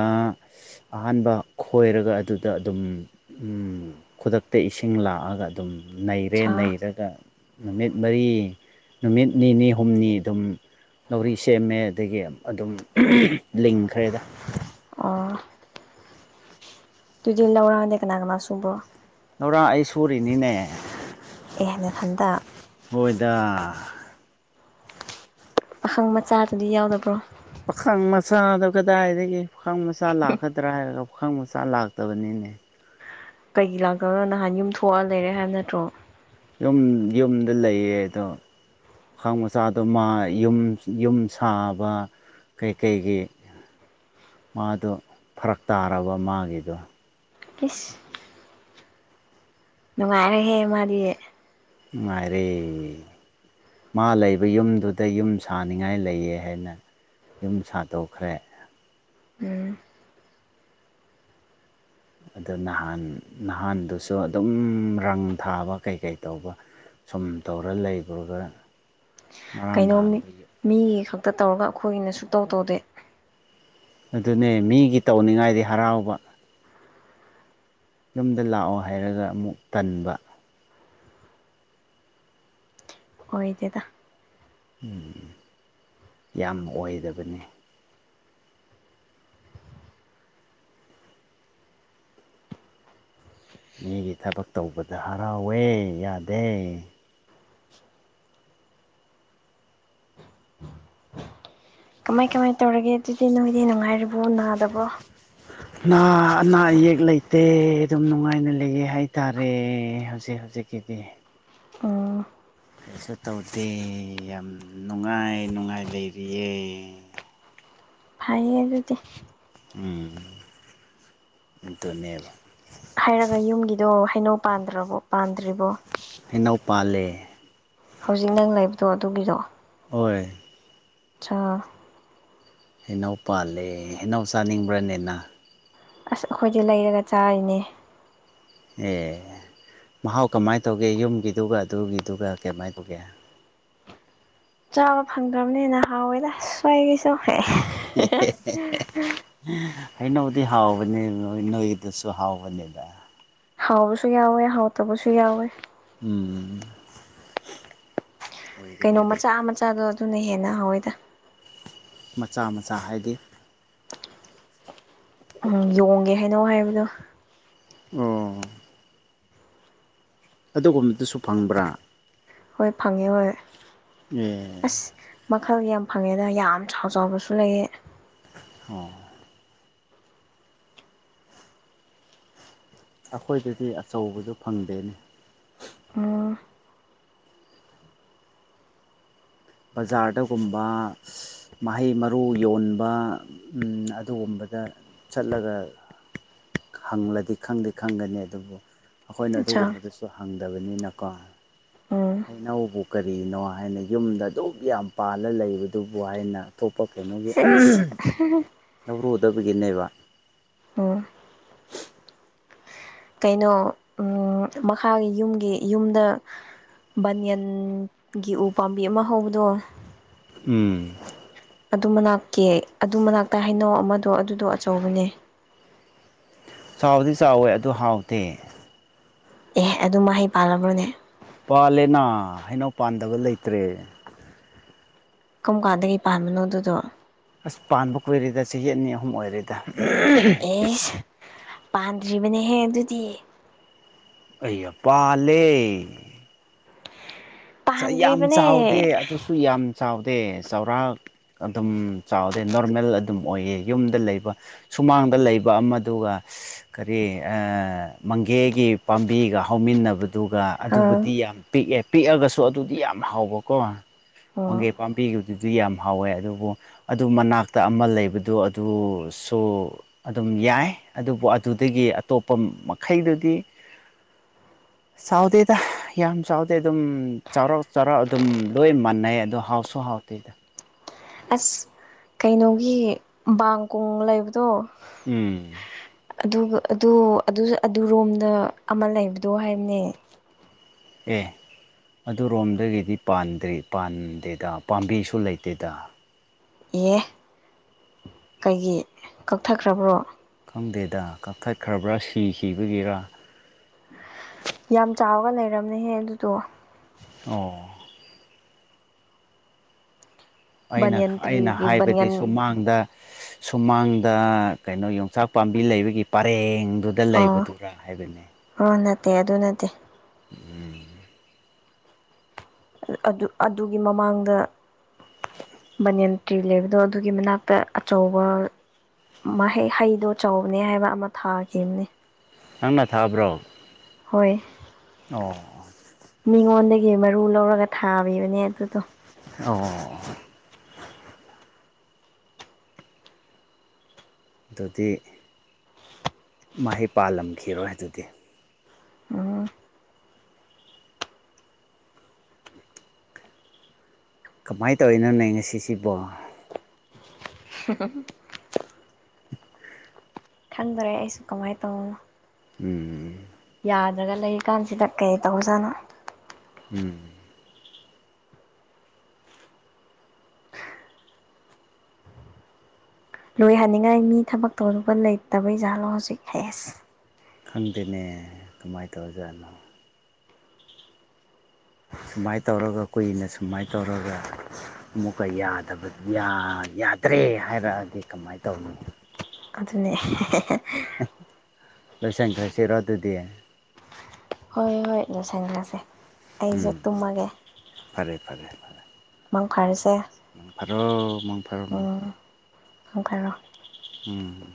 ꯑꯍꯥꯟꯕ ꯈꯣꯏꯔꯒ ꯑꯗꯨꯗ ꯑꯗꯨꯝ ꯈꯨꯗꯛꯇ ꯏꯁꯤꯡ ꯂꯥꯛꯑꯒ ꯑꯗꯨꯝ ꯅꯩꯔꯦ ꯁꯥ ꯑꯣ ꯅꯩꯔꯒ ꯅꯨꯃꯤꯠ ꯃꯔꯤ ꯅꯨꯃꯤꯠ ꯅꯤꯅꯤ ꯍꯨꯝꯅꯤ ꯑꯗꯨꯝ ꯂꯧꯔꯤ ꯁꯦꯝꯃꯦ ꯑꯗꯒꯤ ꯑꯗꯨꯝ ꯂꯤꯡꯈ꯭ꯔꯦꯗ ꯑꯥ ꯇꯨꯗꯤ ꯂꯧꯔꯥꯛꯅ ꯀꯅꯥ ꯀꯅꯥ ꯁꯨꯕ ꯂꯧꯔꯥꯛ ꯑꯩ ꯁꯨꯔꯤꯅꯤꯅꯦ ꯑꯌꯥ ꯅꯊꯟꯇ ꯍꯣꯏꯗ ꯄꯥꯈꯪ ꯃꯆꯥꯗꯨꯗꯤ ꯌꯥꯎꯗꯕ꯭ꯔꯣ ꯄꯥꯈꯪ ꯃꯆꯥꯗꯣ ꯀꯗꯥꯏꯗꯒꯤ ꯄꯥꯈꯪ ꯃꯆꯥ ꯂꯥꯛꯀꯗ꯭ꯔꯥ ꯍꯥꯏꯔꯒ ꯄꯥꯈꯪ ꯃꯆꯥ ꯂꯥꯛꯇꯕꯅꯤꯅꯦ ꯀꯩꯒꯤ ꯂꯥꯛꯀꯒ ꯅꯍꯥꯟ ꯌꯨꯝ ꯊꯣꯛꯑ ꯂꯩꯔꯦ ꯍꯥꯏꯕ ꯅꯠꯇ꯭ꯔꯣ ꯌꯨꯝ ꯌꯨꯝꯗ ꯂꯩꯌꯦ ꯑꯗꯣ ꯑꯥꯡ ꯃꯆꯥꯗꯣ ꯌ ꯌꯨꯝ ꯁꯥꯕ ꯀꯩꯀꯩꯒꯤ ꯃꯥꯗꯣ ꯐꯔꯛ ꯇꯥꯔꯕ ꯃꯥꯒꯤꯗꯣ ꯀꯤꯁ ꯅꯨꯡꯉꯥꯏꯔꯦꯍꯦ ꯃꯥꯗꯤ ꯅꯨꯡꯉꯥꯏꯔꯦ ꯃꯥ ꯂꯩꯕ ꯌꯨꯝꯗꯨꯗ ꯌꯨꯝ ꯁꯥꯅꯤꯉꯥꯏ ꯂꯩꯌꯦ ꯍꯥꯏꯅ ꯌꯨꯝ ꯁꯥ ꯗꯣꯈ꯭ꯔꯦ ꯎꯝ ꯑꯗꯨ ꯅꯍꯥꯟ ꯅꯍꯥꯟꯗꯨꯁꯨ ꯑꯗꯨꯝ ꯔꯪ ꯊꯥꯕ ꯀꯩꯀꯩ ꯇꯧꯕ ꯁꯨꯝ ꯇꯧꯔ ꯂꯩꯕꯨꯔꯒ ꯀꯩꯅꯣꯝꯅꯤ ꯃꯤꯒꯤ ꯈꯛꯇ ꯇꯧꯔꯒ ꯑꯩꯈꯣꯏꯒꯤꯅ ꯁꯨ ꯇꯧ ꯇꯧꯗꯦ ꯑꯗꯨꯅꯦ ꯃꯤꯒꯤ ꯇꯧꯅꯤꯡꯉꯥꯏꯗꯤ ꯍꯔꯥꯎꯕ ꯌꯨꯝꯗ ꯂꯥꯛꯑꯣ ꯍꯥꯏꯔꯒ ꯑꯃꯨꯛ ꯇꯟꯕ ꯑꯣꯏꯗꯦꯗ ꯎꯝ ꯌꯥꯝ ꯑꯣꯏꯗꯕꯅꯦ ꯃꯤꯒꯤ ꯊꯕꯛ ꯇꯧꯕꯗ ꯍꯔꯥꯎꯋꯦ ꯌꯥꯗꯦ ꯀꯃꯥꯏ ꯀꯃꯥꯏ ꯇꯧꯔꯒꯦ ꯑꯗꯨꯗꯤ ꯅꯣꯏꯗꯤ ꯅꯨꯡꯉꯥꯏꯔꯤꯕꯣ ꯅꯥꯗꯕꯣ [inaudible] ꯑ ꯑꯅꯥ ꯑꯌꯦꯛ ꯂꯩꯇꯦ ꯑꯗꯨꯝ ꯅꯨꯡꯉꯥꯏꯅ ꯂꯩꯌꯦ ꯍꯥꯏꯇꯥꯔꯦ ꯍꯧꯖꯤꯛ ꯍꯧꯖꯤꯛꯀꯤꯗꯤ ꯎꯝ ꯀꯩꯁꯨ ꯇꯧꯗꯦ ꯌꯥꯝ ꯅꯨꯡꯉꯥꯏ ꯅꯨꯡꯉꯥꯏ ꯂꯩꯔꯤꯌꯦ ꯐꯩꯌꯦ ꯑꯗꯨꯗꯤ ꯎꯝ ꯑꯗꯨꯅꯦꯕ ꯍꯥꯏꯔꯒ ꯌꯨꯝꯒꯤꯗꯣ ꯍꯩꯅꯧ ꯄꯥꯟꯗ꯭ꯔꯕꯣ ꯄꯥꯟꯗ꯭ꯔꯤꯕꯣ ꯍꯩꯅꯧ ꯄꯥꯜꯂꯦ ꯍꯧꯖꯤꯛ ꯅꯪ ꯂꯩꯕꯗꯣ ꯑꯗꯨꯒꯤꯗꯣ ꯍꯣꯏ ꯑꯆꯥ ꯍꯩꯅꯧ ꯄꯥꯜꯂꯦ ꯍꯩꯅꯧ ꯆꯥꯅꯤꯡꯕ꯭ꯔꯅꯦ ꯅꯪ ꯑꯁ ꯑꯩꯈꯣꯏꯗꯤ ꯂꯩꯔꯒ ꯆꯥꯔꯤꯅꯦ ꯑꯦ ꯃꯍꯥꯎ ꯀꯃꯥꯏꯅ ꯇꯧꯒꯦ ꯌꯨꯝꯒꯤꯗꯨꯒ ꯑꯗꯨꯒꯤꯗꯨꯒ ꯀꯃꯥꯏꯅ ꯇꯧꯒꯦ ꯆꯥꯕ ꯐꯪꯗ꯭ꯔꯕꯅꯤꯅ ꯍꯥꯎꯋꯦꯗ ꯁ꯭ꯋꯥꯏꯒꯤꯁꯨꯈꯦ ꯍꯦ ꯍꯦ ꯍꯦ ꯍꯩꯅꯧꯗꯤ ꯍꯥꯎꯕꯅꯤ ꯅꯣꯏꯗꯨꯁꯨ ꯍꯥꯎꯕꯅꯤꯗ ꯍꯥꯎꯕꯁꯨ ꯌꯥꯎꯋꯦ ꯍꯥꯎꯇꯕꯁꯨ ꯌꯥꯎꯋꯦ ꯎꯝ ꯑꯣꯏꯒꯅꯤ ꯀꯩꯅꯣ ꯑꯗꯨ ꯃꯆꯥ ꯃꯆꯥꯗꯣ ꯑꯗꯨꯅ ꯍꯦꯟꯅ ꯍꯥꯎꯋꯤꯗ ꯃꯆꯥ ꯃꯆꯥ ꯍꯥꯏꯗꯤ ꯎꯝ ꯌꯣꯡꯒꯤ ꯍꯩꯅꯧ ꯍꯥꯏꯕꯗꯣ ꯑꯣ ꯑꯗꯨꯒꯨꯝꯕꯗꯨꯁꯨ ꯐꯪꯕ꯭ꯔꯥ ꯍꯣꯏ ꯐꯪꯉꯦ ꯍꯣꯏ ꯑꯦ ꯑꯁ ꯃꯈꯜ ꯌꯥꯝ ꯐꯪꯉꯦꯗꯅ ꯌꯥꯝ ꯆꯥꯎ ꯆꯥꯎꯕꯁꯨ ꯂꯩꯌꯦ ꯑꯣ ꯑꯩꯈꯣꯏꯗꯗꯤ ꯑꯆꯧꯕꯗꯨ ꯐꯪꯗꯦꯅꯦ ꯎꯝ ꯕꯖꯥꯔꯗꯒꯨꯝꯕ꯫ ꯃꯍꯩ ꯃꯔꯨ ꯌꯣꯟꯕ ꯑꯗꯨꯒꯨꯝꯕꯗ ꯆꯠꯂꯒ꯫ ꯍꯪꯂꯗꯤ ꯈꯪꯗꯤ ꯈꯪꯒꯅꯤ ꯑꯗꯨꯕꯨ ꯑꯩꯈꯣꯏꯅ ꯑꯆꯥ ꯑꯗꯨꯒꯨꯝꯕꯗꯨꯁꯨ ꯍꯪꯗꯕꯅꯤꯅꯀꯣ꯫ ꯎꯝ ꯍꯩꯅꯕꯨ ꯀꯔꯤꯅꯣ ꯍꯥꯏꯅ ꯌꯨꯝꯗ ꯑꯗꯨꯛ ꯌꯥꯝ ꯄꯥꯜꯂ ꯂꯩꯕꯗꯨꯕꯨ ꯍꯥꯏꯅ꯫ ꯊꯣꯛꯄ ꯀꯩꯅꯣꯒꯤ ꯁꯤꯁ ꯂꯧꯔꯨꯗꯕꯒꯤꯅꯦꯕ꯫ ꯑ꯫ ꯀꯩꯅꯣ ꯃꯈꯥꯒꯤ ꯌꯨꯝꯒꯤ ꯌꯨꯝꯗ꯫ ꯕꯅꯤꯌꯟꯒꯤ ꯎ ꯄꯥꯝꯕꯤ ꯑꯃ ꯍꯧꯕꯗꯣ꯫ ꯎꯝ꯫ ꯑꯗꯨ ꯃꯅꯥꯛꯀꯤ ꯑꯗꯨ ꯃꯅꯥꯛꯇ ꯍꯥꯏꯅꯧ ꯑꯃꯗꯣ ꯑꯗꯨꯗꯣ ꯑꯆꯧꯕꯅꯦ ꯆꯥꯎꯕꯗꯤ ꯆꯥꯎꯋꯦ ꯑꯗꯨ ꯍꯥꯎꯇꯦ ꯑꯦ ꯑꯗꯨ ꯃꯍꯩ ꯄꯥꯜꯂꯕ꯭ꯔꯣꯅꯦ ꯄꯥꯂꯦꯅꯥ ꯍꯩꯅꯧ ꯄꯥꯟꯗꯕ ꯂꯩꯇ꯭ꯔꯦ ꯀꯔꯝ ꯀꯥꯟꯗꯒꯤ ꯄꯥꯟꯕꯅꯣ ꯑꯗꯨꯗꯣ ꯑꯁ ꯄꯥꯟꯕ ꯀꯨꯏꯔꯦꯗ ꯆꯍꯤꯠ ꯑꯅꯤ ꯑꯍꯨꯝ ꯑꯣꯏꯔꯦꯗꯤ ꯎꯍꯨ ꯑꯦꯁ ꯄꯥꯟꯗ꯭ꯔꯤꯕꯅꯦꯍꯦ ꯑꯗꯨꯗꯤ ꯑꯩꯌꯥ ꯄꯥꯜꯂꯦ ꯌꯥꯝ ꯄꯥꯟꯗ꯭ꯔꯤꯕꯅꯦ ꯆꯥꯎꯗꯦ ꯑꯗꯨꯁꯨ ꯌꯥꯝ ꯆꯥꯎꯗꯦ ꯆꯥꯎꯔꯥꯛ꯫ ꯑꯗꯨꯝ ꯆꯥꯎꯗꯦ ꯅꯣꯔꯃꯦꯜ ꯑꯗꯨꯝ ꯑꯣꯏꯌꯦ ꯌꯨꯝꯗ ꯂꯩꯕ꯫ ꯁꯨꯃꯥꯡꯗ ꯂꯩꯕ ꯑꯃꯗꯨꯒ꯫ ꯀꯔꯤ ꯑꯥ ꯃꯪꯒꯤ ꯍꯩꯒꯤ ꯄꯥꯝꯕꯤꯒ ꯍꯧꯃꯤꯟꯅꯕꯗꯨꯒ꯫ ꯑꯥ ꯑꯗꯨꯕꯨꯗꯤ ꯌꯥꯝ ꯄꯤꯛꯑꯦ ꯄꯤꯛꯑꯒꯁꯨ ꯑꯗꯨꯗꯤ ꯌꯥꯝ ꯍꯥꯎꯕꯀꯣ ꯑꯣ ꯋꯥꯡꯒꯦ ꯄꯥꯝ ꯄꯤꯈꯤꯕꯗꯨꯗꯤ ꯌꯥꯝ ꯍꯥꯎꯋꯦ ꯑꯗꯨꯕꯨ ꯑꯗꯨ ꯃꯅꯥꯛꯇ ꯑꯃ ꯂꯩꯕꯗꯣ ꯑꯗꯨꯁꯨ꯫ ꯑꯗꯨꯝ ꯌꯥꯏ ꯑꯗꯨꯕꯨ ꯑꯗꯨꯗꯒꯤ ꯑꯇꯣꯞꯄ ꯃꯈꯩꯗꯨꯗꯤ꯫ ꯁꯥꯎꯗꯦꯗ ꯌꯥꯝ ꯆꯥꯎꯗꯦ ꯑꯗꯨꯝ꯫ ꯆꯥꯎꯔꯥꯛ ꯆꯥꯎꯔꯥꯛ ꯑꯗꯨꯝ ꯂꯣꯏ ꯃꯥꯟꯅꯩ ꯑꯗꯣ ꯍꯥꯎꯁꯨ ꯍꯥꯎꯇꯣꯏꯗ꯫ ꯑꯁ ꯀꯩꯅꯣꯒꯤ ꯕꯥꯡ ꯀꯣꯡ ꯂꯩꯕꯗꯣ꯫ ꯎꯝ꯫ ꯑꯗꯨꯒ ꯑꯗꯨ ꯑꯗꯨ ꯑꯗꯨꯔꯣꯝꯗ ꯑꯃ ꯂꯩꯕꯗꯣ ꯍꯥꯏꯝꯅꯦ꯫ ꯑꯦ ꯑꯗꯨꯔꯣꯝꯗꯒꯤꯗꯤ ꯄꯥꯟꯗ꯭ꯔꯤ ꯄꯥꯟꯗꯦꯗ ꯄꯥꯝꯕꯤꯁꯨ ꯂꯩꯇꯦꯗ꯫ ꯑꯦ꯫ ꯀꯩꯒꯤ ꯀꯛꯊꯈ꯭ꯔꯕ꯭ꯔꯣ꯫ ꯈꯪꯗꯦꯗ ꯀꯛꯊꯠꯈ꯭ꯔꯕ꯭ꯔꯥ ꯁꯤꯈꯤꯕꯒꯤꯔꯥ꯫ ꯌꯥꯝ ꯆꯥꯎꯔꯒ ꯂꯩꯔꯝꯅꯦꯍꯦ ꯑꯗꯨꯗꯣ꯫ ꯑꯣ꯫ ꯑꯩꯅ ꯕꯅꯤꯌꯟ ꯑꯩꯅ ꯇ꯭ꯔꯤꯒꯤ ꯍꯥꯏꯕꯗꯤ ꯕꯅꯤꯌꯟ ꯁꯨꯃꯥꯡ ꯗ ꯁꯨꯃꯥꯡꯗ ꯀꯩꯅꯣ ꯌꯣꯡꯆꯥꯛ ꯄꯥꯝꯕꯤ ꯂꯩꯕꯒꯤ ꯄꯔꯦꯡꯗꯨ ꯗ ꯂꯩꯕꯗꯨꯔ ꯍꯥꯏꯕꯅꯤ꯫ ꯑ ꯅꯠꯇꯦ ꯑꯗꯨ ꯅꯠꯇꯦ꯫ ꯎꯝ ꯑꯗꯨ ꯑꯗꯨꯒꯤ ꯃꯃꯥꯡꯗ꯫ ꯕꯅꯤꯌꯟ ꯇ꯭ꯔꯤ ꯂꯩꯕꯗꯣ ꯑꯗꯨꯒꯤ ꯃꯅꯥꯛꯇ ꯑꯆꯧꯕ ꯃꯍꯩ ꯍꯩꯗꯣ ꯆꯥꯎꯕꯅꯦ ꯍꯥꯏꯕ ꯑꯃ ꯊꯥꯈꯤꯕꯅꯤ꯫ ꯅꯪꯅ ꯊꯥꯕ꯭ꯔꯣ꯫ ꯍꯣꯏ꯫ ꯑꯣ꯫ ꯃꯤꯉꯣꯟꯗꯒꯤ ꯃꯔꯨ ꯂꯧꯔꯒ ꯊꯥꯕꯤꯕꯅꯦ ꯑꯗꯨꯗꯣ꯫ ꯑꯣ꯫ ꯑꯗꯨꯗꯤ ꯃꯍꯩ ꯄꯥꯜꯂꯝꯈꯤꯔꯣꯏ ꯑꯗꯨꯗꯤ꯫ ꯎꯝ ꯀꯃꯥꯏꯟ ꯇꯧꯔꯤꯅꯣꯅꯦ ꯉꯁꯤꯁꯤꯕꯣ꯫ [unintelligible] ꯈꯪꯗ꯭ꯔꯦ ꯑꯩꯁꯨ ꯀꯃꯥꯏꯅ ꯇꯧꯕꯅꯣ꯫ ꯎꯝ꯫ ꯌꯥꯗ꯭ꯔꯒ ꯂꯩꯔꯤ ꯀꯥꯟꯁꯤꯗ ꯀꯩ ꯇꯧꯖꯥꯠꯅꯣ꯫ ꯎꯝ ꯂꯣꯏꯍꯟꯅꯤꯡꯉꯥꯏ ꯃꯤ ꯊꯕꯛꯛꯇꯧꯔꯒ ꯂꯩꯇꯕꯩꯖꯥꯠꯂꯣ ꯍꯧꯖꯤꯛ ꯍꯥꯏꯁ ꯈꯪꯗꯦꯅꯦ ꯀꯃꯥꯏꯅ ꯇꯧꯔꯖꯥꯠꯅꯣ ꯁꯨꯃꯥꯏꯅ ꯇꯧꯔꯒ ꯀꯨꯏꯅ ꯁꯨꯃꯥꯏꯅ ꯇꯧꯔꯒ ꯑꯃꯨꯛꯀ ꯌꯥꯗꯕ ꯌꯥꯗ꯭ꯔꯦ ꯍꯥꯏꯔꯛꯑꯗꯤ ꯀꯃꯥꯏꯅ ꯇꯧꯅꯤ꯫ ꯑꯗꯨꯅꯦ꯫ ꯂꯣꯏꯁꯪꯈ꯭ꯔꯁꯤꯔꯣ ꯑꯗꯨꯗꯤ꯫ ꯍꯣꯏ ꯍꯣꯏ ꯂꯣꯏꯁꯟꯈ꯭ꯔꯁꯦ ꯎꯝ ꯑꯩꯁꯨ ꯇꯨꯝꯃꯒꯦ꯫ ꯐꯔꯦ ꯐꯔꯦ ꯐꯔꯦ꯫ ꯃꯪ ꯐꯔꯁꯦ ꯃꯪ ꯐꯔꯣ ꯃꯪ ꯐꯔꯣ ꯃꯪ ꯎꯝ ꯐꯔꯣ ꯃꯪ ꯐꯔꯣ꯫ ꯎꯝ꯫